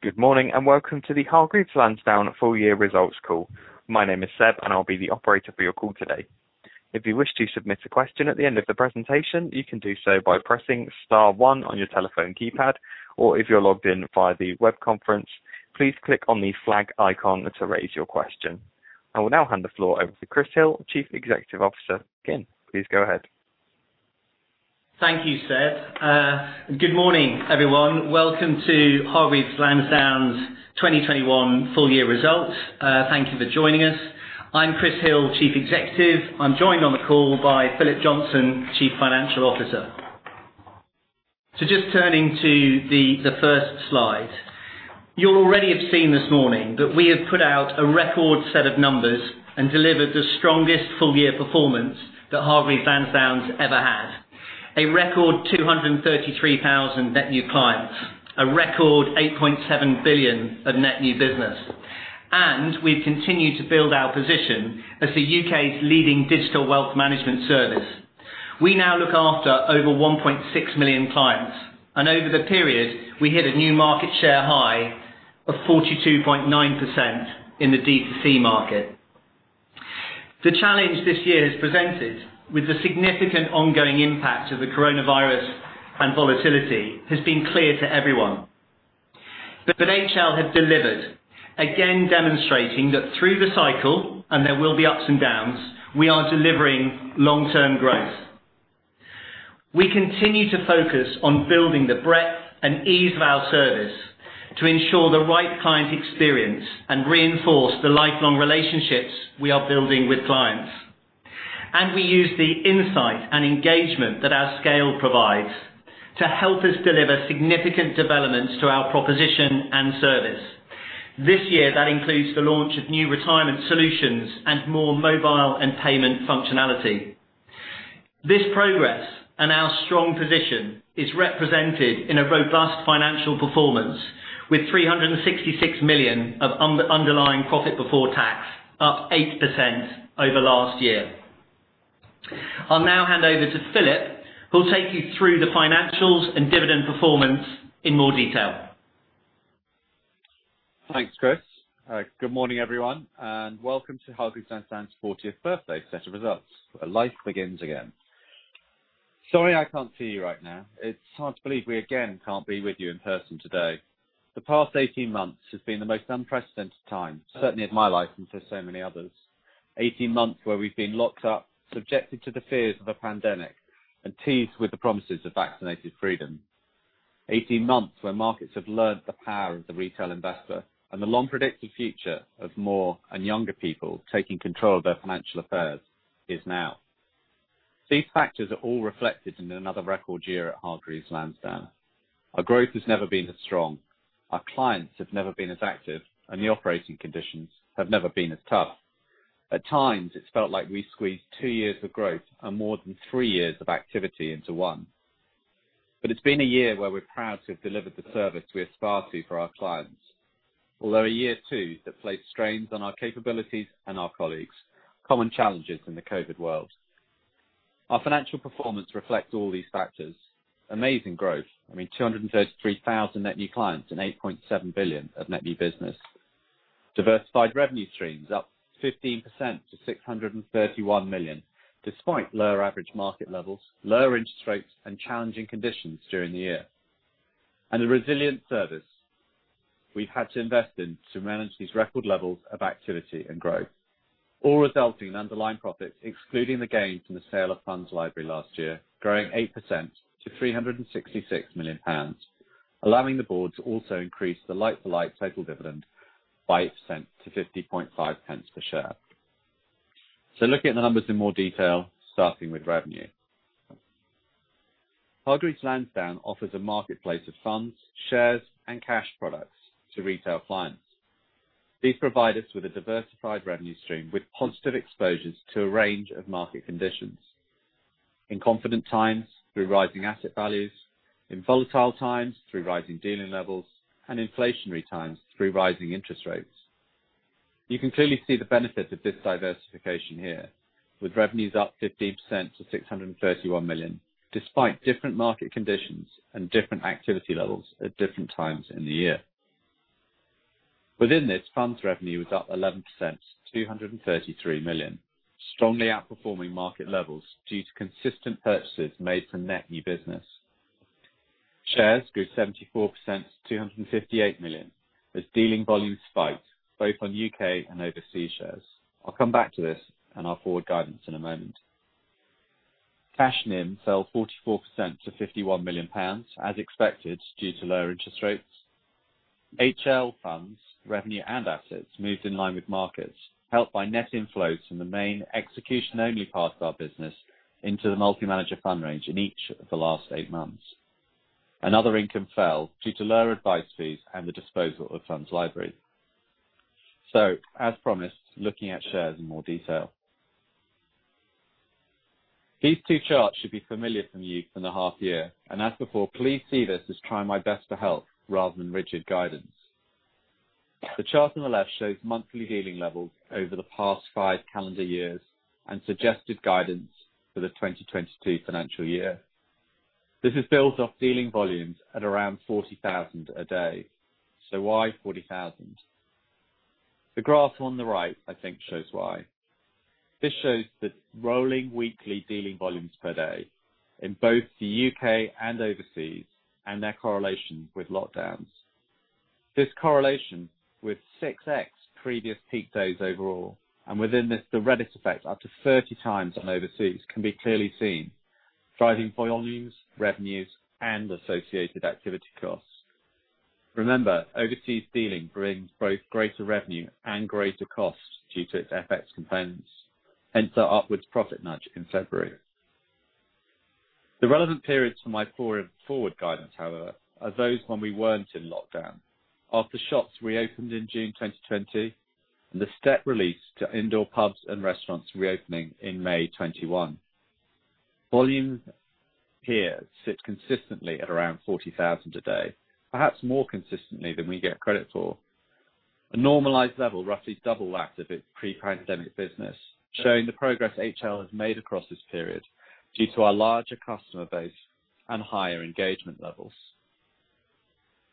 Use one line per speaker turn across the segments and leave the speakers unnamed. Good morning, and welcome to the Hargreaves Lansdown full year results call. My name is Seb, and I'll be the operator for your call today. If you wish to submit a question at the end of the presentation, you can do so by pressing star one on your telephone keypad, or if you're logged in via the web conference, please click on the flag icon to raise your question. I will now hand the floor over to Chris Hill, Chief Executive Officer. Again, please go ahead.
Thank you, Seb. Good morning, everyone. Welcome to Hargreaves Lansdown's 2021 full year results. Thank you for joining us. I'm Chris Hill, Chief Executive. I'm joined on the call by Philip Johnson, Chief Financial Officer. Just turning to the first slide. You already have seen this morning that we have put out a record set of numbers and delivered the strongest full year performance that Hargreaves Lansdown's ever had. A record 233,000 net new clients. A record 8.7 billion of net new business. We've continued to build our position as the U.K.'s leading digital wealth management service. We now look after over 1.6 million clients, and over the period, we hit a new market share high of 42.9% in the D2C market. The challenge this year has presented with the significant ongoing impact of the coronavirus and volatility has been clear to everyone. HL have delivered, again, demonstrating that through the cycle, and there will be ups and downs, we are delivering long-term growth. We continue to focus on building the breadth and ease of our service to ensure the right client experience and reinforce the lifelong relationships we are building with clients. We use the insight and engagement that our scale provides to help us deliver significant developments to our proposition and service. This year, that includes the launch of new retirement solutions and more mobile and payment functionality. This progress and our strong position is represented in a robust financial performance with 366 million of underlying profit before tax, up 8% over last year. I'll now hand over to Philip, who will take you through the financials and dividend performance in more detail.
Thanks, Chris. Good morning, everyone, and welcome to Hargreaves Lansdown's 40th birthday set of results. Where life begins again. Sorry I can't see you right now. It's hard to believe we again can't be with you in person today. The past 18 months has been the most unprecedented time, certainly of my life and for so many others. 18 months where we've been locked up, subjected to the fears of a pandemic, and teased with the promises of vaccinated freedom. 18 months where markets have learned the power of the retail investor and the long-predicted future of more and younger people taking control of their financial affairs is now. These factors are all reflected in another record year at Hargreaves Lansdown. Our growth has never been as strong, our clients have never been as active, and the operating conditions have never been as tough. At times, it's felt like we squeezed two years of growth and more than three years of activity into one. It's been a year where we're proud to have delivered the service we aspire to for our clients. Although a year, too, that placed strains on our capabilities and our colleagues, common challenges in the COVID world. Our financial performance reflects all these factors. Amazing growth. I mean, 233,000 net new clients and 8.7 billion of net new business. Diversified revenue streams up 15% to 631 million, despite lower average market levels, lower interest rates, and challenging conditions during the year. A resilient service we've had to invest in to manage these record levels of activity and growth, all resulting in underlying profits, excluding the gain from the sale of FundsLibrary last year, growing 8% to 366 million pounds, allowing the board to also increase the like-for-like total dividend by 8% to 0.505 per share. Looking at the numbers in more detail, starting with revenue. Hargreaves Lansdown offers a marketplace of funds, shares, and cash products to retail clients. These provide us with a diversified revenue stream with positive exposures to a range of market conditions. In confident times, through rising asset values. In volatile times, through rising dealing levels. Inflating times, through rising interest rates. You can clearly see the benefit of this diversification here, with revenues up 15% to 631 million, despite different market conditions and different activity levels at different times in the year. Within this, funds revenue was up 11% to 233 million. Strongly outperforming market levels due to consistent purchases made from net new business. Shares grew 74% to 258 million as dealing volume spiked, both on U.K. and overseas shares. I'll come back to this and our forward guidance in a moment. Cash NIM fell 44% to 51 million pounds, as expected, due to lower interest rates. HL funds, revenue, and assets moved in line with markets, helped by net inflows from the main execution-only part of our business into the multi-manager fund range in each of the last eight months. Other income fell due to lower advice fees and the disposal of FundsLibrary. As promised, looking at shares in more detail. These two charts should be familiar to you from the half year. As before, please see this as trying my best to help rather than rigid guidance. The chart on the left shows monthly dealing levels over the past five calendar years and suggested guidance for the 2022 financial year. This is built off dealing volumes at around 40,000 a day. Why 40,000? The graph on the right, I think, shows why. This shows the rolling weekly dealing volumes per day in both the U.K. and overseas, and their correlation with lockdowns. This correlation with 6x previous peak days overall, and within this, the Reddit effect up to 30x on overseas can be clearly seen, driving volumes, revenues, and associated activity costs. Remember, overseas dealing brings both greater revenue and greater costs due to its FX components. Hence our upwards profit nudge in February. The relevant periods for my forward guidance, however, are those when we weren't in lockdown. After shops reopened in June 2020, and the step release to indoor pubs and restaurants reopening in May 2021. Volumes here sit consistently at around 40,000 a day, perhaps more consistently than we get credit for. A normalized level roughly double that of its pre-pandemic business, showing the progress HL has made across this period due to our larger customer base and higher engagement levels.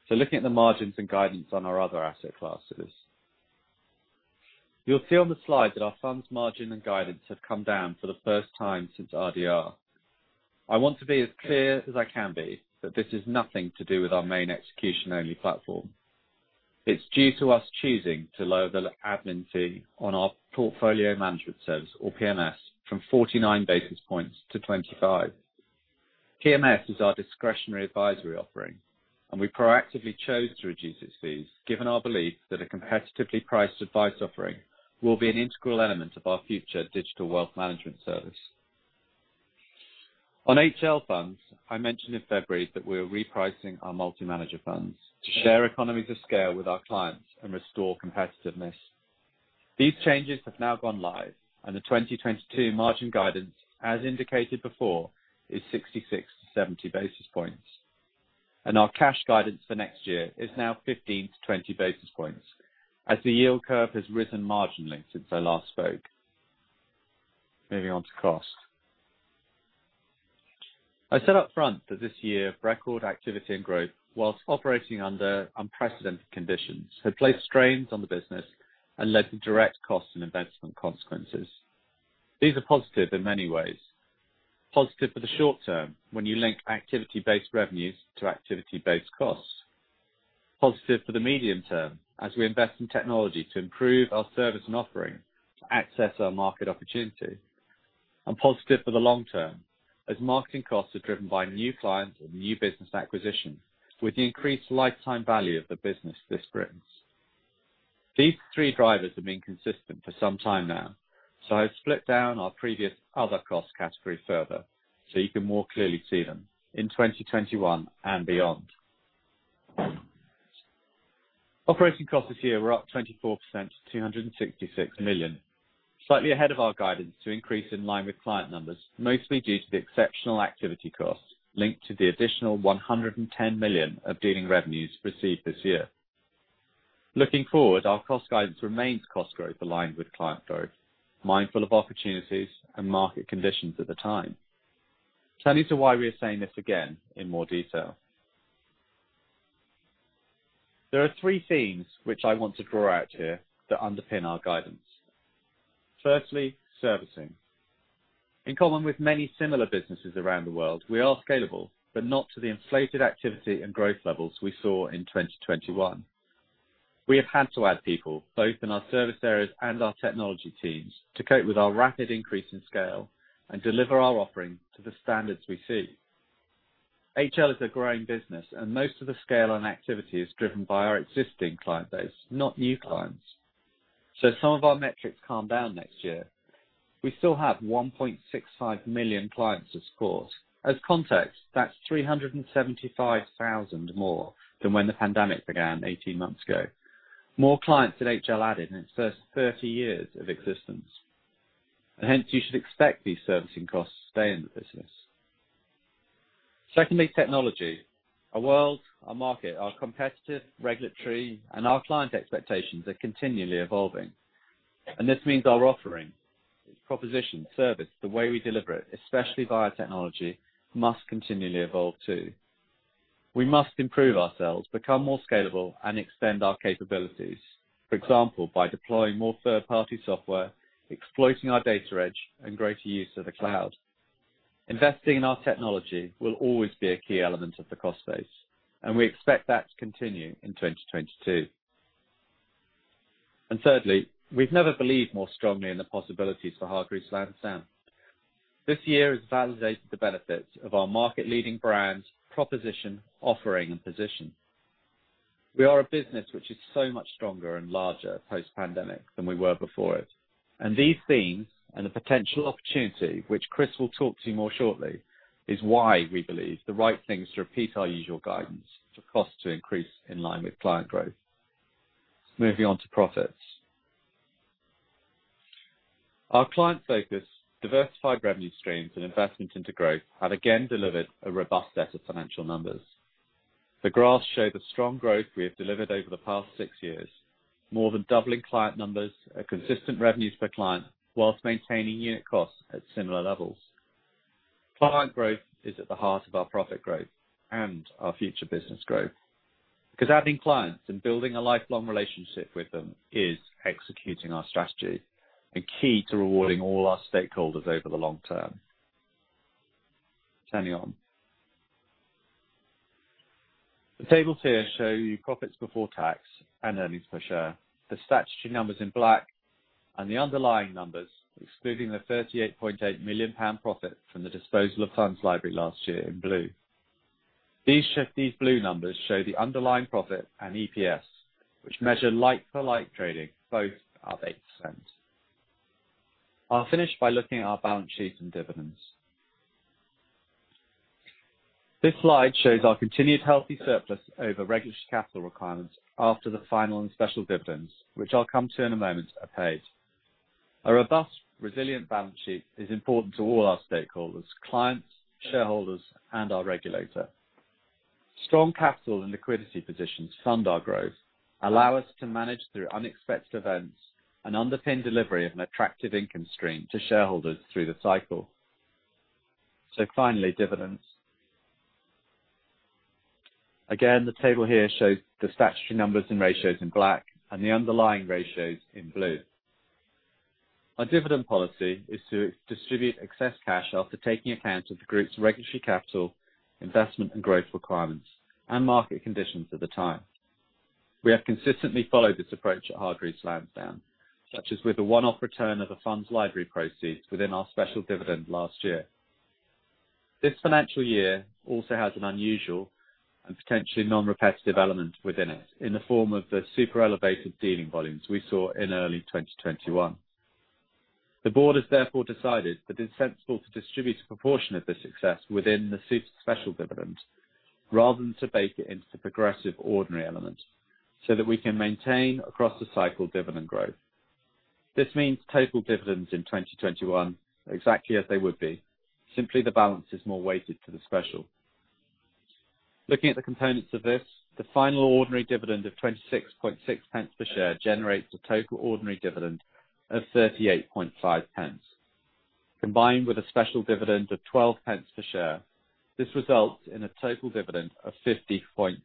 Looking at the margins and guidance on our other asset classes. You'll see on the slide that our funds margin and guidance have come down for the first time since RDR. I want to be as clear as I can be that this is nothing to do with our main execution-only platform. It's due to us choosing to lower the admin fee on our portfolio management service, or PMS, from 49 basis points to 25. PMS is our discretionary advisory offering, we proactively chose to reduce its fees, given our belief that a competitively priced advice offering will be an integral element of our future digital wealth management service. On HL funds, I mentioned in February that we're repricing our multi-manager funds to share economies of scale with our clients and restore competitiveness. These changes have now gone live, the 2022 margin guidance, as indicated before, is 66-70 basis points. Our cash guidance for next year is now 15-20 basis points, as the yield curve has risen marginally since I last spoke. Moving on to cost. I said up front that this year, record activity and growth whilst operating under unprecedented conditions, had placed strains on the business and led to direct cost and investment consequences. These are positive in many ways. Positive for the short term, when you link activity-based revenues to activity-based costs. Positive for the medium term, as we invest in technology to improve our service and offering to access our market opportunity. Positive for the long term, as marketing costs are driven by new clients and new business acquisitions with the increased lifetime value of the business this brings. These three drivers have been consistent for some time now, so I've split down our previous other cost category further so you can more clearly see them in 2021 and beyond. Operating costs this year were up 24% to 266 million, slightly ahead of our guidance to increase in line with client numbers, mostly due to the exceptional activity costs linked to the additional 110 million of dealing revenues received this year. Looking forward, our cost guidance remains cost growth aligned with client growth, mindful of opportunities and market conditions at the time. Turning to why we are saying this again in more detail. There are three themes which I want to draw out here that underpin our guidance. Firstly, servicing. In common with many similar businesses around the world, we are scalable, but not to the inflated activity and growth levels we saw in 2021. We have had to add people, both in our service areas and our technology teams, to cope with our rapid increase in scale and deliver our offering to the standards we see. HL is a growing business, and most of the scale and activity is driven by our existing client base, not new clients. Some of our metrics calm down next year. We still have 1.65 million clients, of course. As context, that's 375,000 more than when the pandemic began 18 months ago. More clients that HL added in its first 30 years of existence. Hence you should expect these servicing costs to stay in the business. Secondly, technology. Our world, our market, our competitive, regulatory, and our client expectations are continually evolving. This means our offering, proposition, service, the way we deliver it, especially via technology, must continually evolve too. We must improve ourselves, become more scalable, and extend our capabilities. For example, by deploying more third-party software, exploiting our data edge, and greater use of the cloud. Investing in our technology will always be a key element of the cost base, and we expect that to continue in 2022. Thirdly, we've never believed more strongly in the possibilities for Hargreaves Lansdown. This year has validated the benefits of our market leading brands, proposition, offering, and position. We are a business which is so much stronger and larger post-pandemic than we were before it. These themes and the potential opportunity, which Chris will talk to you more shortly, is why we believe the right thing is to repeat our usual guidance to cost to increase in line with client growth. Moving on to profits. Our client focus, diversified revenue streams, and investments into growth have again delivered a robust set of financial numbers. The graphs show the strong growth we have delivered over the past six years, more than doubling client numbers at consistent revenues per client while maintaining unit costs at similar levels. Client growth is at the heart of our profit growth and our future business growth. Adding clients and building a lifelong relationship with them is executing our strategy, and key to rewarding all our stakeholders over the long term. The tables here show you profits before tax and earnings per share. The statutory number's in black, and the underlying numbers, excluding the 38.8 million pound profit from the disposal of FundsLibrary last year, in blue. These blue numbers show the underlying profit and EPS, which measure like-for-like trading, both are up 8%. I'll finish by looking at our balance sheet and dividends. This slide shows our continued healthy surplus over regulatory capital requirements after the final and special dividends, which I'll come to in a moment are paid. A robust, resilient balance sheet is important to all our stakeholders, clients, shareholders, and our regulator. Strong capital and liquidity positions fund our growth, allow us to manage through unexpected events, and underpin delivery of an attractive income stream to shareholders through the cycle. Finally, dividends. Again, the table here shows the statutory numbers and ratios in black, and the underlying ratios in blue. Our dividend policy is to distribute excess cash after taking account of the group's regulatory capital, investment and growth requirements, and market conditions at the time. We have consistently followed this approach at Hargreaves Lansdown, such as with the one-off return of the FundsLibrary proceeds within our special dividend last year. This financial year also has an unusual and potentially non-repetitive element within it, in the form of the super elevated dealing volumes we saw in early 2021. The board has therefore decided that it's sensible to distribute a proportion of this success within the special dividend, rather than to bake it into the progressive ordinary element, so that we can maintain across the cycle dividend growth. This means total dividends in 2021 are exactly as they would be. Simply, the balance is more weighted to the special. Looking at the components of this, the final ordinary dividend of 0.266 per share generates a total ordinary dividend of 0.385. Combined with a special dividend of 0.12 per share, this results in a total dividend of 0.505,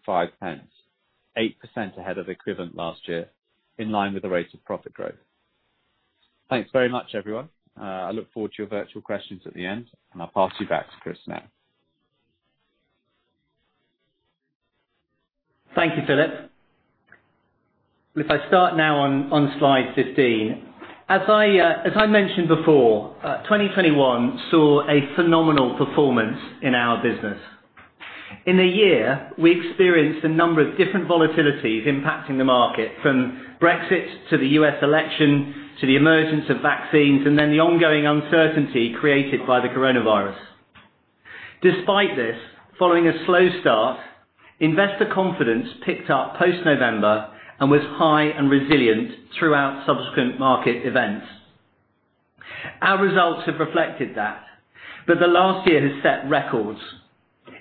8% ahead of equivalent last year, in line with the rate of profit growth. Thanks very much, everyone. I look forward to your virtual questions at the end. I'll pass you back to Chris now.
Thank you, Philip. I start now on slide 15. As I mentioned before, 2021 saw a phenomenal performance in our business. In a year, we experienced a number of different volatilities impacting the market, from Brexit, to the U.S. election, to the emergence of vaccines, the ongoing uncertainty created by the coronavirus. Despite this, following a slow start, investor confidence picked up post-November and was high and resilient throughout subsequent market events. Our results have reflected that. The last year has set records,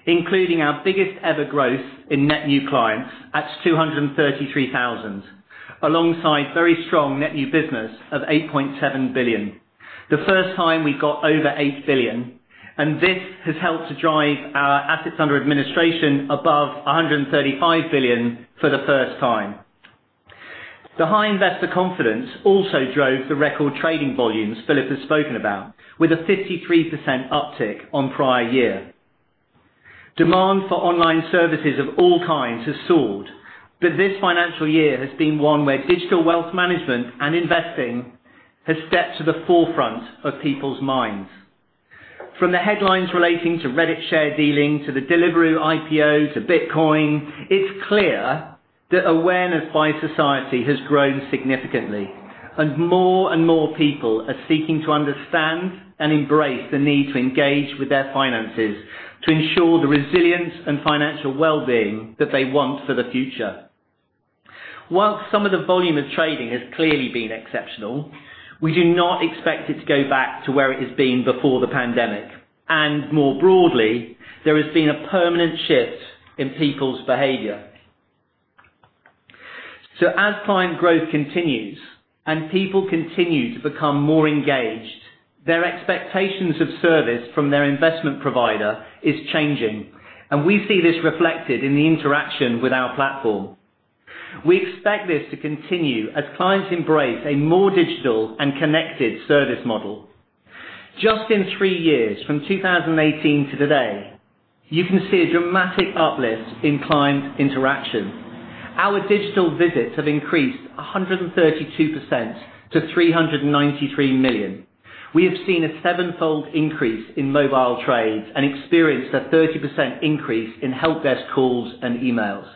including our biggest ever growth in net new clients at 233,000, alongside very strong net new business of 8.7 billion. The first time we got over 8 billion, this has helped to drive our assets under administration above 135 billion for the first time. The high investor confidence also drove the record trading volumes Philip Johnson has spoken about, with a 53% uptick on prior year. Demand for online services of all kinds has soared, this financial year has been one where digital wealth management and investing has stepped to the forefront of people's minds. From the headlines relating to Reddit share dealing, to the Deliveroo IPO, to Bitcoin, it's clear that awareness by society has grown significantly and more and more people are seeking to understand and embrace the need to engage with their finances to ensure the resilience and financial well-being that they want for the future. Some of the volume of trading has clearly been exceptional, we do not expect it to go back to where it has been before the pandemic. More broadly, there has been a permanent shift in people's behavior. As client growth continues and people continue to become more engaged, their expectations of service from their investment provider is changing, and we see this reflected in the interaction with our platform. We expect this to continue as clients embrace a more digital and connected service model. Just in three years, from 2018 to today, you can see a dramatic uplift in client interaction. Our digital visits have increased 132% to 393 million. We have seen a sevenfold increase in mobile trades and experienced a 30% increase in help desk calls and emails.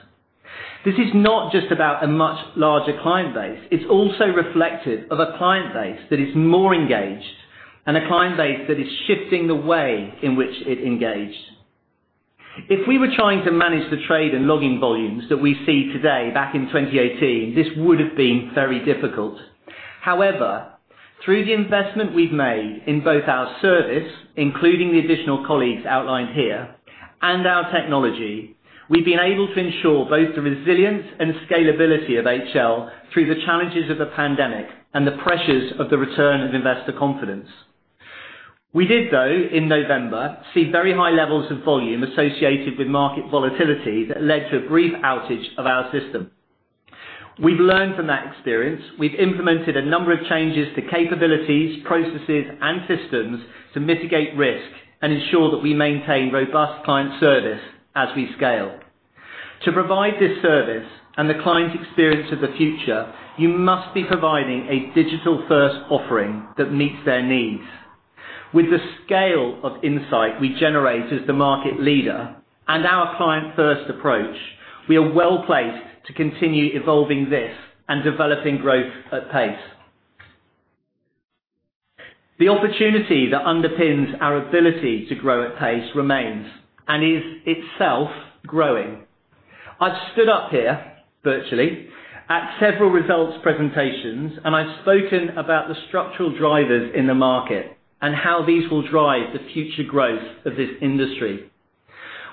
This is not just about a much larger client base. It's also reflective of a client base that is more engaged and a client base that is shifting the way in which it engaged. If we were trying to manage the trade and login volumes that we see today back in 2018, this would've been very difficult. Through the investment we've made in both our service, including the additional colleagues outlined here, and our technology, we've been able to ensure both the resilience and scalability of HL through the challenges of the pandemic and the pressures of the return of investor confidence. We did though, in November, see very high levels of volume associated with market volatility that led to a brief outage of our system. We've learned from that experience. We've implemented a number of changes to capabilities, processes, and systems to mitigate risk and ensure that we maintain robust client service as we scale. To provide this service and the client experience of the future, you must be providing a digital-first offering that meets their needs. With the scale of insight we generate as the market leader and our client-first approach, we are well-placed to continue evolving this and developing growth at pace. The opportunity that underpins our ability to grow at pace remains and is itself growing. I've stood up here, virtually, at several results presentations, and I've spoken about the structural drivers in the market and how these will drive the future growth of this industry.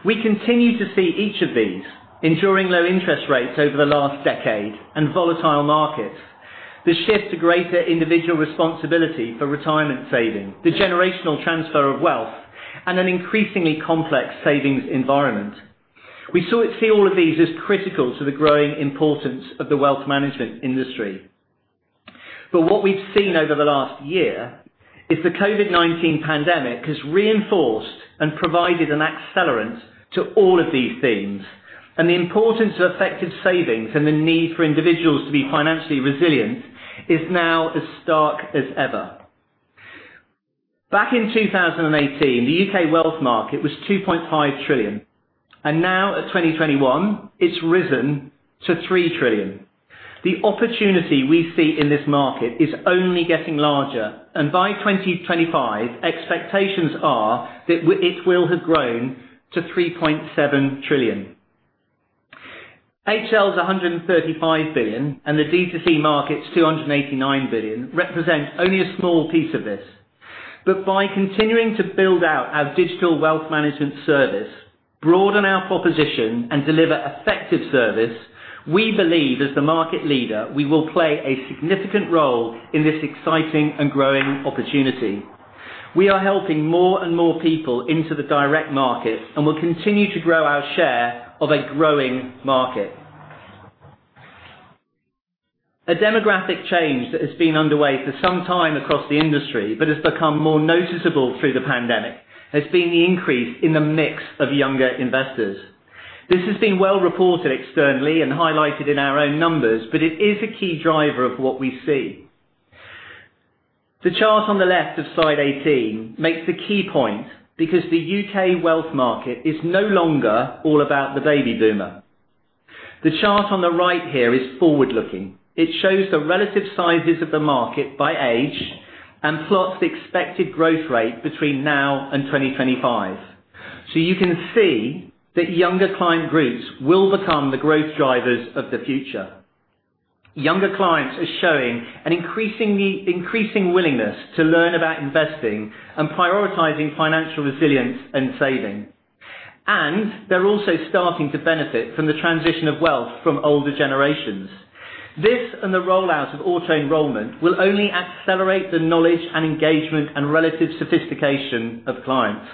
We continue to see each of these ensuring low interest rates over the last decade and volatile markets, the shift to greater individual responsibility for retirement saving, the generational transfer of wealth, and an increasingly complex savings environment. We still see all of these as critical to the growing importance of the wealth management industry. What we've seen over the last year is the COVID-19 pandemic has reinforced and provided an accelerant to all of these things, and the importance of effective savings and the need for individuals to be financially resilient is now as stark as ever. Back in 2018, the U.K. wealth market was 2.5 trillion. Now at 2021, it's risen to 3 trillion. The opportunity we see in this market is only getting larger, and by 2025, expectations are that it will have grown to 3.7 trillion. HL's 135 billion and the D2C market's 289 billion represent only a small piece of this. By continuing to build out our digital wealth management service, broaden our proposition, and deliver effective service, we believe as the market leader, we will play a significant role in this exciting and growing opportunity. We are helping more and more people into the direct market and will continue to grow our share of a growing market. A demographic change that has been underway for some time across the industry but has become more noticeable through the pandemic has been the increase in the mix of younger investors. This has been well reported externally and highlighted in our own numbers, but it is a key driver of what we see. The chart on the left of slide 18 makes a key point because the U.K. wealth market is no longer all about the baby boomer. The chart on the right here is forward-looking. It shows the relative sizes of the market by age and plots the expected growth rate between now and 2025. You can see that younger client groups will become the growth drivers of the future. Younger clients are showing an increasing willingness to learn about investing and prioritizing financial resilience and saving. They're also starting to benefit from the transition of wealth from older generations. This and the rollout of auto-enrolment will only accelerate the knowledge and engagement and relative sophistication of clients.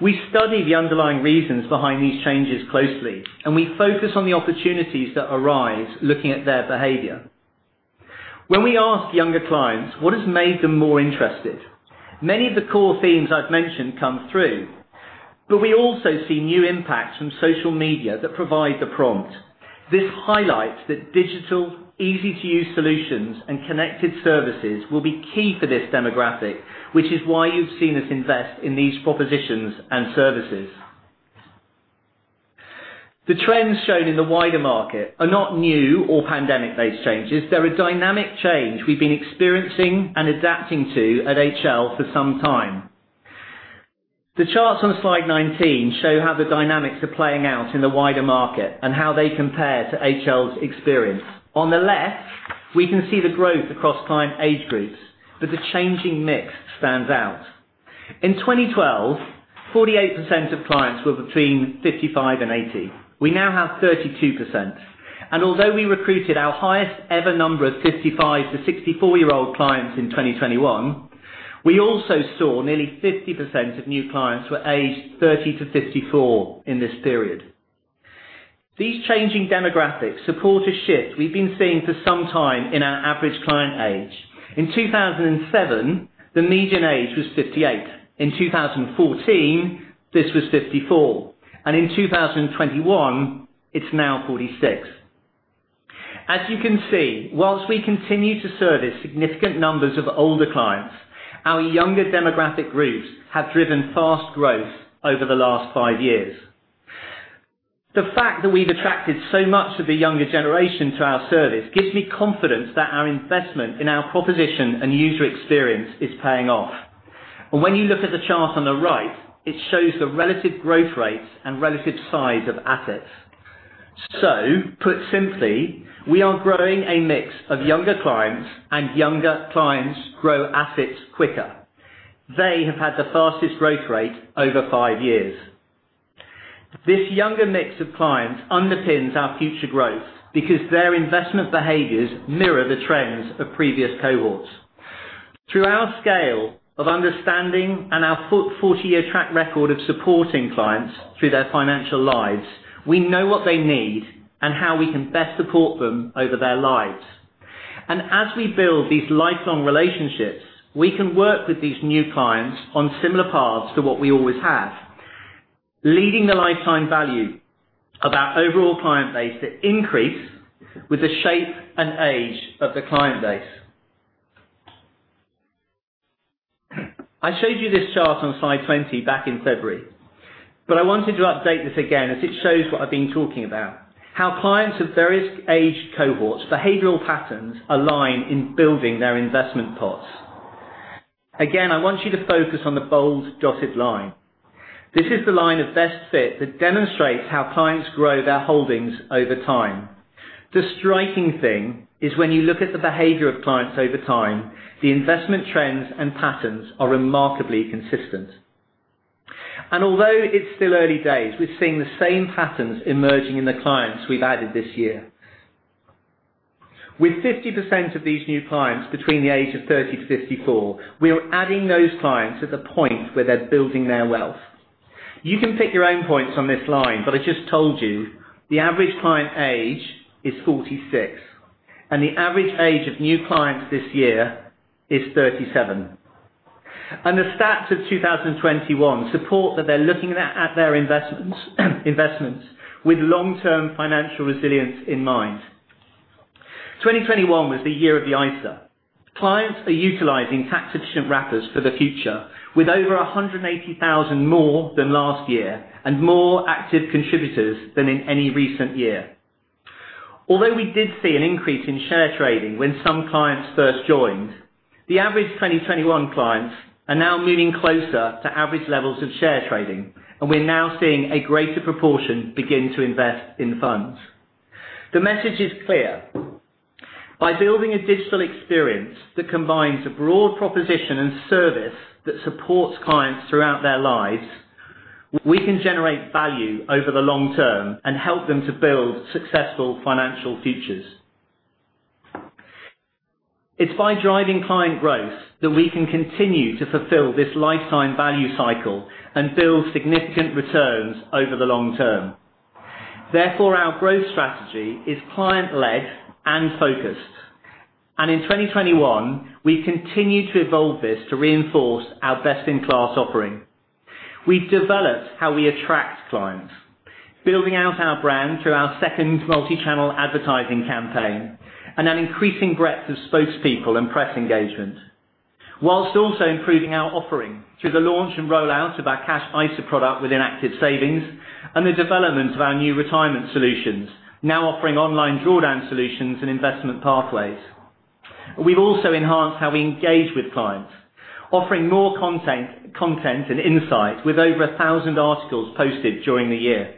We study the underlying reasons behind these changes closely, and we focus on the opportunities that arise looking at their behavior. When we ask younger clients what has made them more interested, many of the core themes I've mentioned come through, but we also see new impacts from social media that provide the prompt. This highlights that digital, easy-to-use solutions and connected services will be key for this demographic, which is why you've seen us invest in these propositions and services. The trends shown in the wider market are not new or pandemic-based changes. They're a dynamic change we've been experiencing and adapting to at HL for some time. The charts on slide 19 show how the dynamics are playing out in the wider market and how they compare to HL's experience. On the left, we can see the growth across client age groups with the changing mix stands out. In 2012, 48% of clients were between 55 and 80. We now have 32%. Although we recruited our highest ever number of 55 to 64-year-old clients in 2021, we also saw nearly 50% of new clients were aged 30 to 54 in this period. These changing demographics support a shift we've been seeing for some time in our average client age. In 2007, the median age was 58. In 2014, this was 54. In 2021, it's now 46. As you can see, whilst we continue to service significant numbers of older clients, our younger demographic groups have driven fast growth over the last five years. The fact that we've attracted so much of the younger generation to our service gives me confidence that our investment in our proposition and user experience is paying off. When you look at the chart on the right, it shows the relative growth rates and relative size of assets. Put simply, we are growing a mix of younger clients, and younger clients grow assets quicker. They have had the fastest growth rate over five years. This younger mix of clients underpins our future growth because their investment behaviors mirror the trends of previous cohorts. Through our scale of understanding and our 40-year track record of supporting clients through their financial lives, we know what they need and how we can best support them over their lives. As we build these lifelong relationships, we can work with these new clients on similar paths to what we always have, leading the lifetime value of our overall client base to increase with the shape and age of the client base. I showed you this chart on slide 20 back in February, but I wanted to update this again as it shows what I've been talking about, how clients of various age cohorts' behavioral patterns align in building their investment pots. I want you to focus on the bold dotted line. This is the line of best fit that demonstrates how clients grow their holdings over time. The striking thing is when you look at the behavior of clients over time, the investment trends and patterns are remarkably consistent. Although it's still early days, we're seeing the same patterns emerging in the clients we've added this year. With 50% of these new clients between the age of 30 to 54, we are adding those clients at the point where they're building their wealth. You can pick your own points on this line, I just told you the average client age is 46, and the average age of new clients this year is 37. The stats of 2021 support that they're looking at their investments with long-term financial resilience in mind. 2021 was the year of the ISA. Clients are utilizing tax-efficient wrappers for the future with over 180,000 more than last year and more active contributors than in any recent year. Although we did see an increase in share trading when some clients first joined, the average 2021 clients are now leaning closer to average levels of share trading, and we're now seeing a greater proportion begin to invest in funds. The message is clear. By building a digital experience that combines a broad proposition and service that supports clients throughout their lives, we can generate value over the long term and help them to build successful financial futures. It's by driving client growth that we can continue to fulfill this lifetime value cycle and build significant returns over the long term. Therefore, our growth strategy is client-led and focused. In 2021, we continued to evolve this to reinforce our best-in-class offering. We've developed how we attract clients, building out our brand through our second multi-channel advertising campaign and an increasing breadth of spokespeople and press engagement, whilst also improving our offering through the launch and rollout of our cash ISA product within Active Savings and the development of our new retirement solutions, now offering online drawdown solutions and investment pathways. We've also enhanced how we engage with clients, offering more content and insight with over 1,000 articles posted during the year.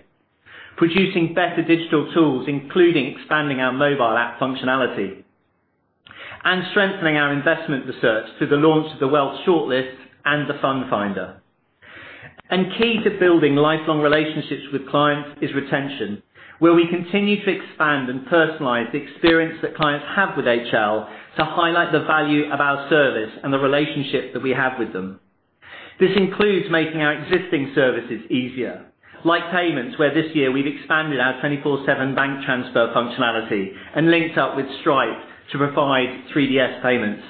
Producing better digital tools, including expanding our mobile app functionality, and strengthening our investment research through the launch of the Wealth Shortlist and the Fund Finder. Key to building lifelong relationships with clients is retention, where we continue to expand and personalize the experience that clients have with HL to highlight the value of our service and the relationship that we have with them. This includes making our existing services easier, like payments, where this year we've expanded our 24/7 bank transfer functionality and linked up with Stripe to provide 3DS payments.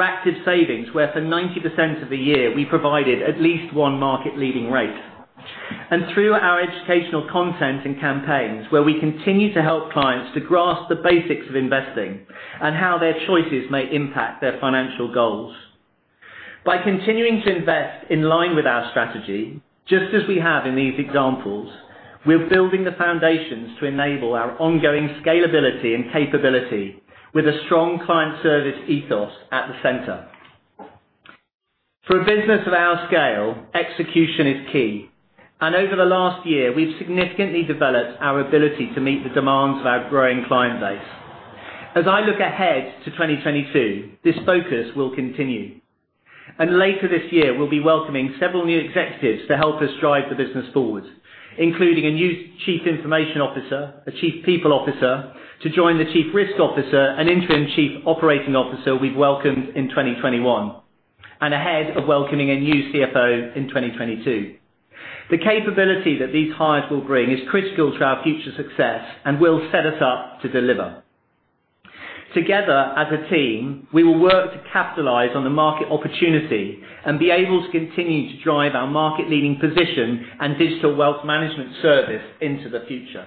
Active Savings, where for 90% of the year, we provided at least one market-leading rate. Through our educational content and campaigns where we continue to help clients to grasp the basics of investing and how their choices may impact their financial goals. By continuing to invest in line with our strategy, just as we have in these examples, we're building the foundations to enable our ongoing scalability and capability with a strong client service ethos at the center. For a business of our scale, execution is key, and over the last year, we've significantly developed our ability to meet the demands of our growing client base. As I look ahead to 2022, this focus will continue. Later this year, we'll be welcoming several new executives to help us drive the business forward, including a new Chief Information Officer, a Chief People Officer to join the Chief Risk Officer and interim Chief Operating Officer we've welcomed in 2021, and ahead of welcoming a new CFO in 2022. The capability that these hires will bring is critical to our future success and will set us up to deliver. Together as a team, we will work to capitalize on the market opportunity and be able to continue to drive our market-leading position and digital wealth management service into the future.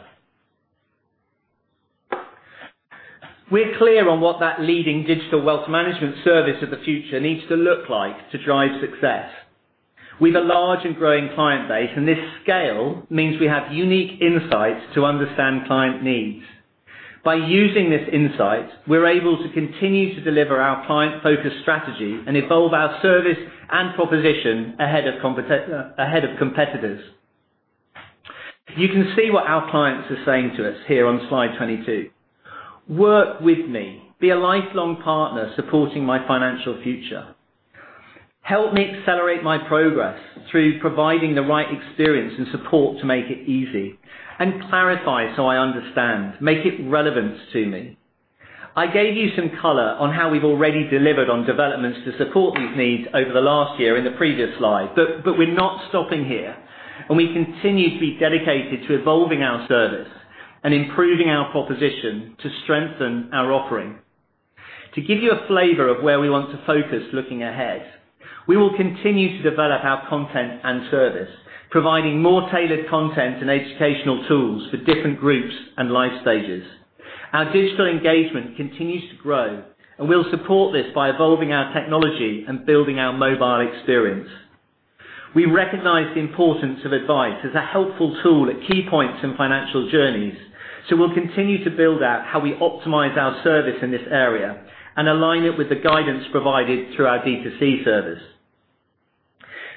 We're clear on what that leading digital wealth management service of the future needs to look like to drive success. We've a large and growing client base, and this scale means we have unique insights to understand client needs. By using this insight, we're able to continue to deliver our client-focused strategy and evolve our service and proposition ahead of competitors. You can see what our clients are saying to us here on slide 22. Work with me. Be a lifelong partner supporting my financial future. Help me accelerate my progress through providing the right experience and support to make it easy, and clarify so I understand. Make it relevant to me. I gave you some color on how we've already delivered on developments to support these needs over the last year in the previous slide. We're not stopping here, and we continue to be dedicated to evolving our service and improving our proposition to strengthen our offering. To give you a flavor of where we want to focus looking ahead, we will continue to develop our content and service, providing more tailored content and educational tools for different groups and life stages. Our digital engagement continues to grow. We'll support this by evolving our technology and building our mobile experience. We'll continue to build out how we optimize our service in this area and align it with the guidance provided through our B2C service.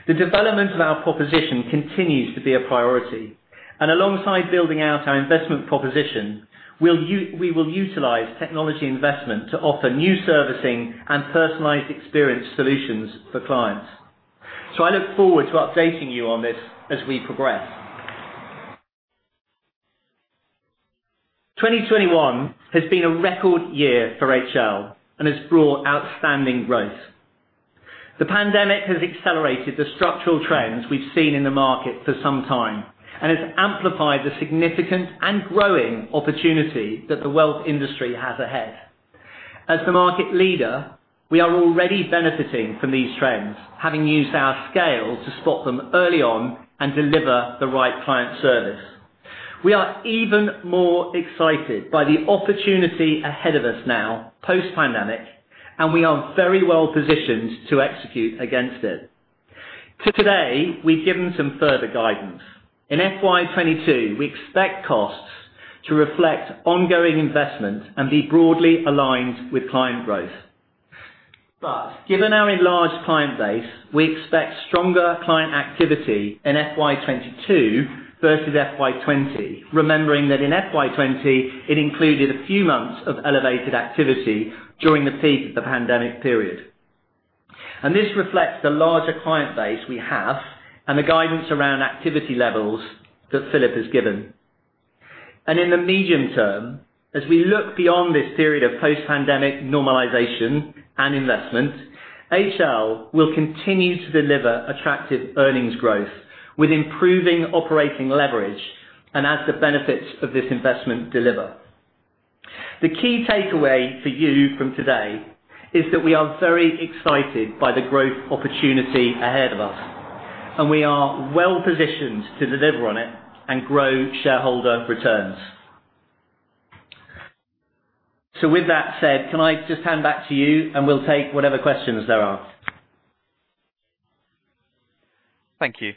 The development of our proposition continues to be a priority. Alongside building out our investment proposition, we will utilize technology investment to offer new servicing and personalized experience solutions for clients. I look forward to updating you on this as we progress. 2021 has been a record year for HL and has brought outstanding growth. The pandemic has accelerated the structural trends we've seen in the market for some time and has amplified the significant and growing opportunity that the wealth industry has ahead. As the market leader, we are already benefiting from these trends, having used our scale to spot them early on and deliver the right client service. We are even more excited by the opportunity ahead of us now, post-pandemic, and we are very well positioned to execute against it. Today, we've given some further guidance. In FY 2022, we expect costs to reflect ongoing investment and be broadly aligned with client growth. Given our enlarged client base, we expect stronger client activity in FY 2022 versus FY 2020, remembering that in FY 2020, it included a few months of elevated activity during the peak of the pandemic period. This reflects the larger client base we have and the guidance around activity levels that Philip has given. In the medium term, as we look beyond this period of post-pandemic normalization and investment, HL will continue to deliver attractive earnings growth with improving operating leverage and as the benefits of this investment deliver. The key takeaway for you from today is that we are very excited by the growth opportunity ahead of us, and we are well-positioned to deliver on it and grow shareholder returns. With that said, can I just hand back to you and we'll take whatever questions there are.
Thank you.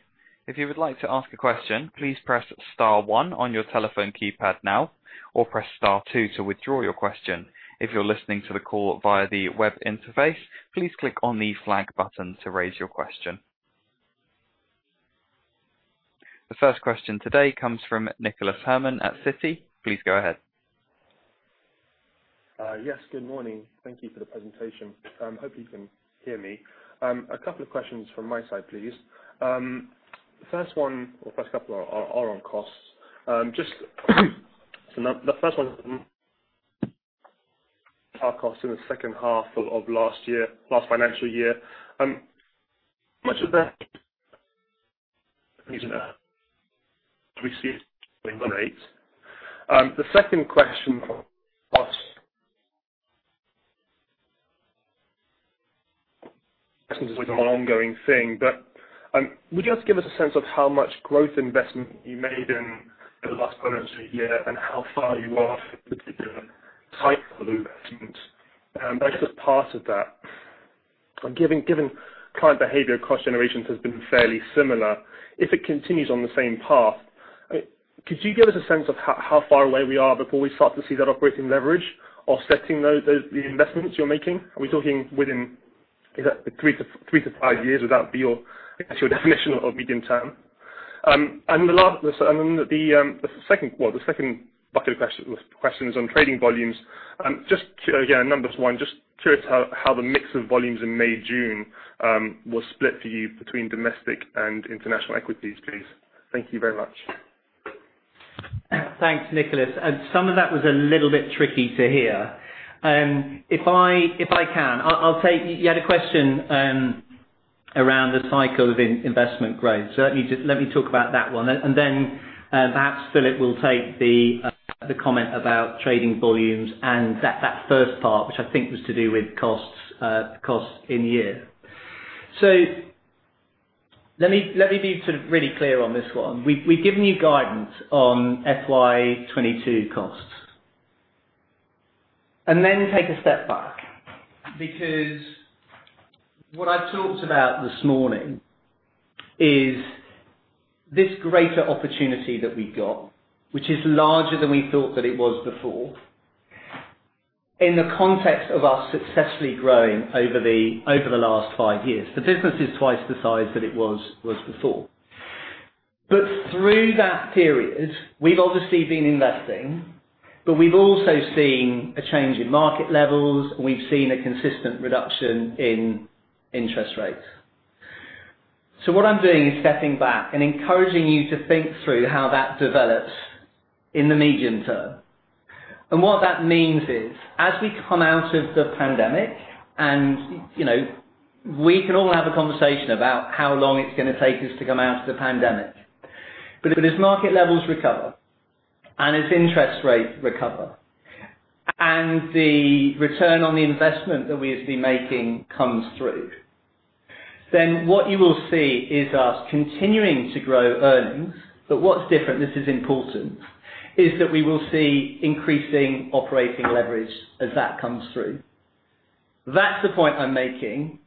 If you would like to ask a question, please press star one on your telephone keypad now or press star two to withdraw your question. If you're listening to the call via the web interface, please click on the flag button to raise your question. The first question today comes from Nicholas Herman at Citi. Please go ahead.
Yes, good morning. Thank you for the presentation. Hope you can hear me. A couple of questions from my side, please. First one or first couple are on costs. Just the first one, are costs in the second half of last year, last financial year. How much of that that we see rates? The second question was an ongoing thing. Would you just give us a sense of how much growth investment you made in the last financial year and how far you are type of investment? I guess as part of that, given client behavior, cost generations has been fairly similar, if it continues on the same path, could you give us a sense of how far away we are before we start to see that operating leverage offsetting the investments you're making? Are we talking within three to five years? Would that be your actual definition of medium-term? The last, the second part of the question was questions on trading volumes. Just again, number one, just curious how the mix of volumes in May, June was split for you between domestic and international equities, please. Thank you very much.
Thanks, Nicholas. Some of that was a little bit tricky to hear. If I can, I'll take You had a question around the cycle of investment growth. Let me talk about that one, and then perhaps Philip will take the comment about trading volumes and that first part, which I think was to do with costs in the year. Let me be really clear on this one. We've given you guidance on FY 2022 costs. Then take a step back, because what I talked about this morning is this greater opportunity that we've got, which is larger than we thought that it was before, in the context of us successfully growing over the last five years. The business is twice the size that it was before. Through that period, we've obviously been investing, but we've also seen a change in market levels. We've seen a consistent reduction in interest rates. What I'm doing is stepping back and encouraging you to think through how that develops in the medium term. What that means is, as we come out of the pandemic, and we can all have a conversation about how long it's going to take us to come out of the pandemic. As market levels recover, and as interest rates recover, and the return on the investment that we have been making comes through, then what you will see is us continuing to grow earnings. What's different, this is important, is that we will see increasing operating leverage as that comes through. That's the point I'm making.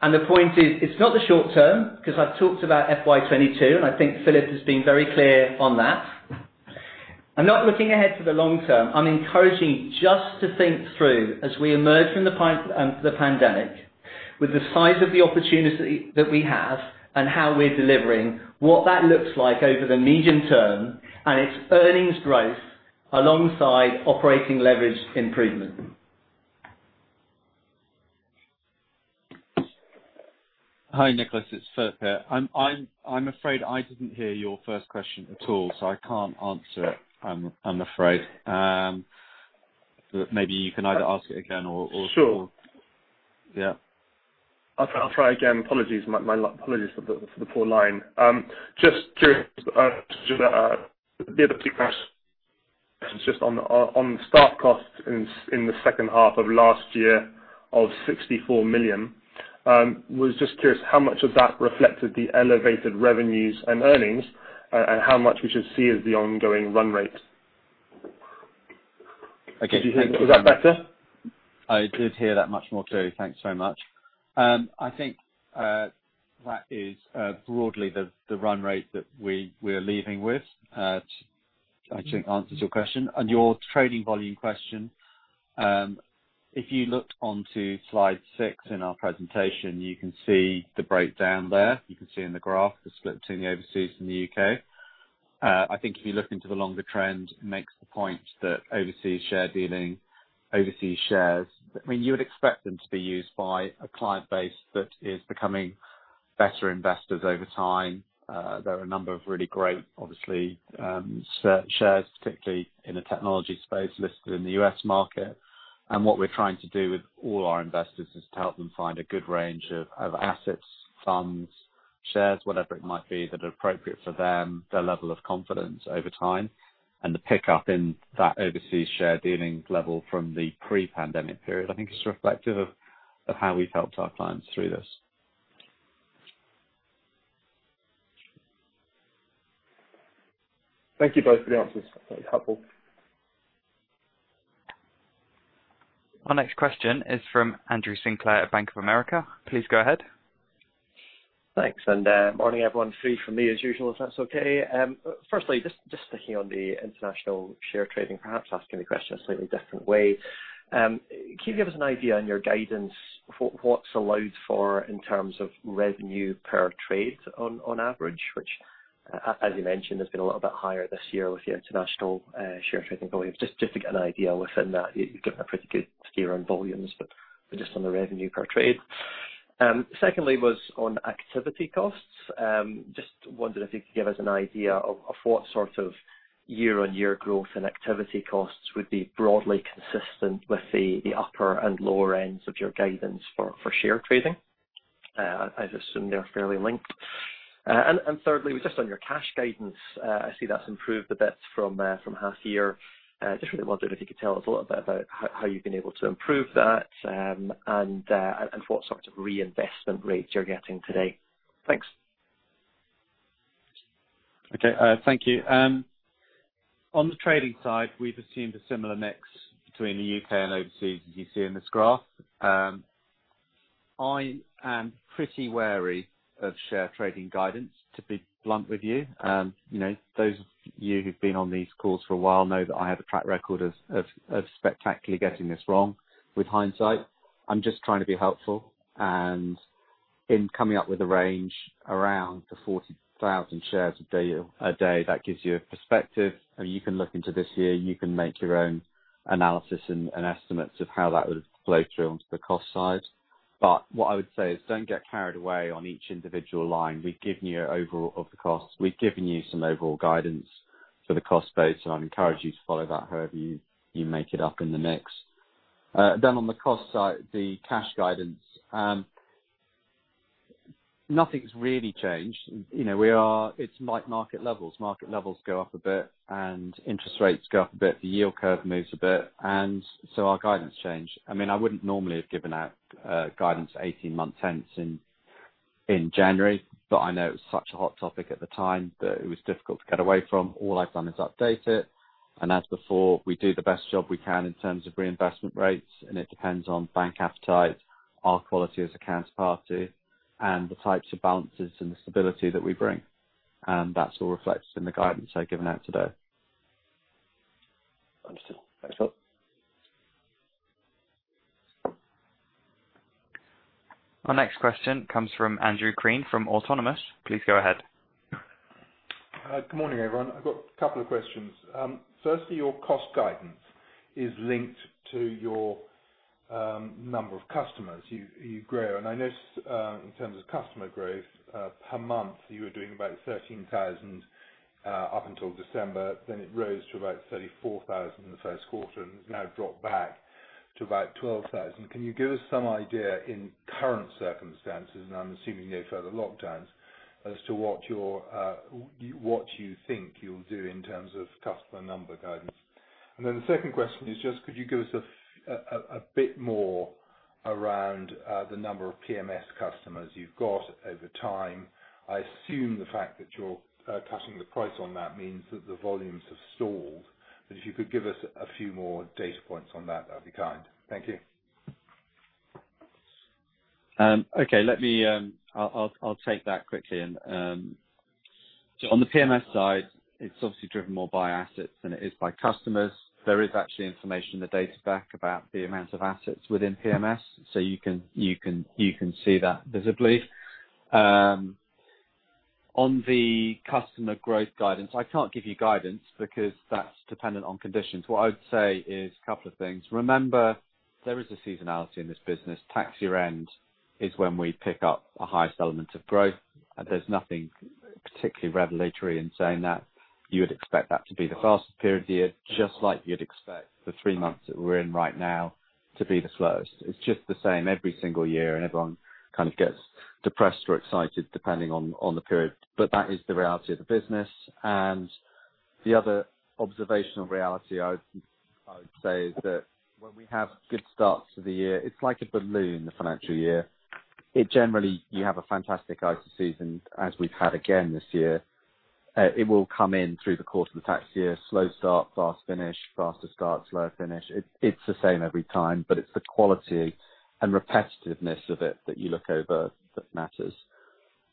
The point is, it's not the short term, because I've talked about FY 2022, and I think Philip has been very clear on that. I'm not looking ahead for the long term. I'm encouraging you just to think through as we emerge from the pandemic, with the size of the opportunity that we have and how we're delivering what that looks like over the medium term, and it's earnings growth alongside operating leverage improvement.
Hi, Nicholas. It's Philip here. I'm afraid I didn't hear your first question at all, so I can't answer it, I'm afraid. Maybe you can either ask it again or.
Sure.
Yeah.
I'll try again. Apologies for the poor line. Just curious, the other two questions just on the start costs in the second half of last year of 64 million. Was just curious how much of that reflected the elevated revenues and earnings, and how much we should see as the ongoing run rate?
Okay.
Is that better?
I did hear that much more clearly. Thanks so much. I think that is broadly the run rate that we are leaving with. I think answers your question and your trading volume question. If you look onto slide six in our presentation, you can see the breakdown there. You can see in the graph the split between the overseas and the U.K. I think if you look into the longer trend, makes the point that overseas share dealing, overseas shares, you would expect them to be used by a client base that is becoming better investors over time. There are a number of really great, obviously, shares, particularly in the technology space listed in the U.S. market. What we're trying to do with all our investors is to help them find a good range of assets, funds, shares, whatever it might be, that are appropriate for them, their level of confidence over time. The pickup in that overseas share dealing level from the pre-pandemic period, I think is reflective of how we've helped our clients through this.
Thank you both for the answers. That was helpful.
Our next question is from Andrew Sinclair at Bank of America. Please go ahead.
Thanks. Morning, everyone. Free from me as usual, if that's okay. Firstly, just sticking on the international share trading, perhaps asking the question a slightly different way. Can you give us an idea on your guidance for what's allowed for in terms of revenue per trade on average, which, as you mentioned, has been a little bit higher this year with the international share trading volume. Just to get an idea within that. You've given a pretty good steer on volumes, just on the revenue per trade. Secondly, was on activity costs. Just wondering if you could give us an idea of what sort of year-on-year growth and activity costs would be broadly consistent with the upper and lower ends of your guidance for share trading. I assume they are fairly linked. Thirdly, was just on your cash guidance. I see that's improved a bit from half year. Just really wondering if you could tell us a little bit about how you've been able to improve that and what sort of reinvestment rates you're getting today? Thanks.
Okay. Thank you. On the trading side, we've assumed a similar mix between the U.K. and overseas as you see in this graph. I am pretty wary of share trading guidance, to be blunt with you. Those of you who've been on these calls for a while know that I have a track record of spectacularly getting this wrong with hindsight. I'm just trying to be helpful and in coming up with a range around the 40,000 shares a day, that gives you a perspective. You can look into this year, you can make your own analysis and estimates of how that would flow through onto the cost side. What I would say is don't get carried away on each individual line. We've given you an overall of the costs. We've given you some overall guidance for the cost base. I'd encourage you to follow that however you make it up in the mix. On the cost side, the cash guidance. Nothing's really changed. It's market levels. Market levels go up a bit and interest rates go up a bit. The yield curve moves a bit, so our guidance change. I wouldn't normally have given out guidance 18 months hence in January. I know it was such a hot topic at the time that it was difficult to get away from. All I've done is update it. As before, we do the best job we can in terms of reinvestment rates. It depends on bank appetite, our quality as a counterparty, and the types of balances and the stability that we bring. That's all reflected in the guidance I've given out today.
Understood. Thanks, Phil.
Our next question comes from Andrew Green from Autonomous. Please go ahead.
Good morning, everyone. I've got a couple of questions. Firstly, your cost guidance is linked to your number of customers. You grow, I notice in terms of customer growth per month, you were doing about 13,000 up until December, then it rose to about 34,000 in the first quarter and has now dropped back to about 12,000. Can you give us some idea in current circumstances, and I'm assuming no further lockdowns, as to what you think you'll do in terms of customer number guidance? The second question is just could you give us a bit more around the number of PMS customers you've got over time? I assume the fact that you're cutting the price on that means that the volumes have stalled. If you could give us a few more data points on that'd be kind. Thank you.
Okay. I'll take that quickly. On the PMS side, it's obviously driven more by assets than it is by customers. There is actually information in the data pack about the amount of assets within PMS. You can see that visibly. On the customer growth guidance, I can't give you guidance because that's dependent on conditions. What I would say is a couple of things. Remember, there is a seasonality in this business. Tax year-end is when we pick up the highest element of growth, and there's nothing particularly revelatory in saying that. You would expect that to be the fastest period of the year, just like you'd expect the three months that we're in right now to be the slowest. It's just the same every single year, and everyone kind of gets depressed or excited depending on the period. That is the reality of the business. The other observational reality I would say is that when we have good starts to the year, it's like a balloon, the financial year. It generally, you have a fantastic ISA season, as we've had again this year. It will come in through the course of the tax year. Slow start, fast finish, faster start, slower finish. It's the same every time. It's the quality and repetitiveness of it that you look over that matters.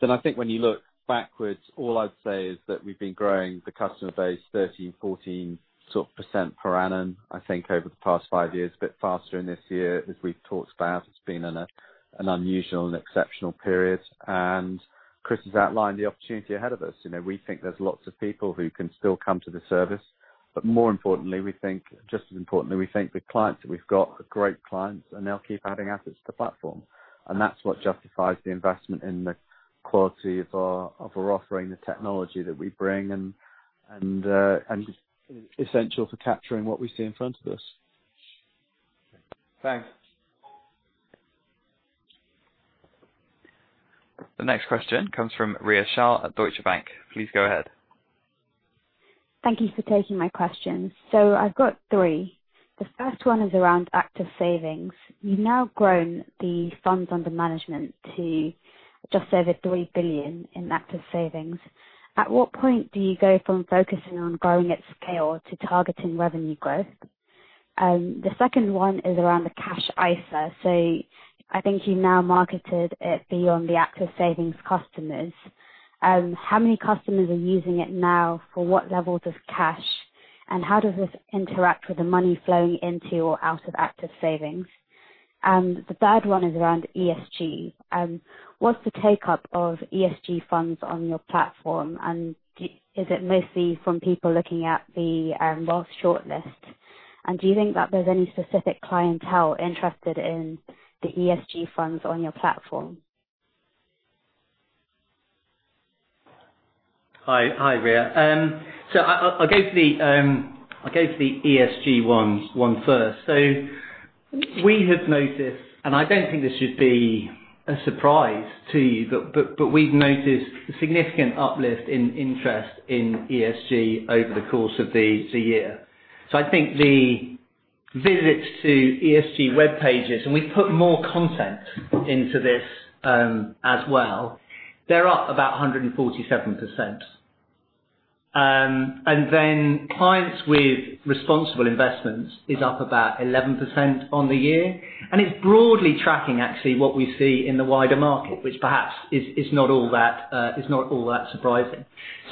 I think when you look backwards, all I'd say is that we've been growing the customer base 13%, 14% per annum, I think over the past five years. A bit faster in this year, as we've talked about. It's been an unusual and exceptional period, and Chris has outlined the opportunity ahead of us. We think there's lots of people who can still come to the service. More importantly, we think, just as importantly, we think the clients that we've got are great clients, and they'll keep adding assets to the platform. That's what justifies the investment in the quality of our offering, the technology that we bring, and essential for capturing what we see in front of us.
Thanks.
The next question comes from Rhea Shah at Deutsche Bank. Please go ahead.
Thank you for taking my questions. I've got three. The first one is around Active Savings. You've now grown the funds under management to just over 3 billion in Active Savings. At what point do you go from focusing on growing at scale to targeting revenue growth? The second one is around the cash ISA. I think you now marketed it beyond the Active Savings customers. How many customers are using it now? For what levels of cash, and how does this interact with the money flowing into or out of Active Savings? The third one is around ESG. What's the take-up of ESG funds on your platform, and is it mostly from people looking at the Wealth Shortlist? Do you think that there's any specific clientele interested in the ESG funds on your platform?
Hi, Rhea. I'll go for the ESG 1 first. We have noticed, and I don't think this should be a surprise to you, but we've noticed a significant uplift in interest in ESG over the course of the year. I think the visits to ESG web pages, and we put more content into this as well, they're up about 147%. Clients with responsible investments is up about 11% on the year. It's broadly tracking actually what we see in the wider market, which perhaps is not all that surprising.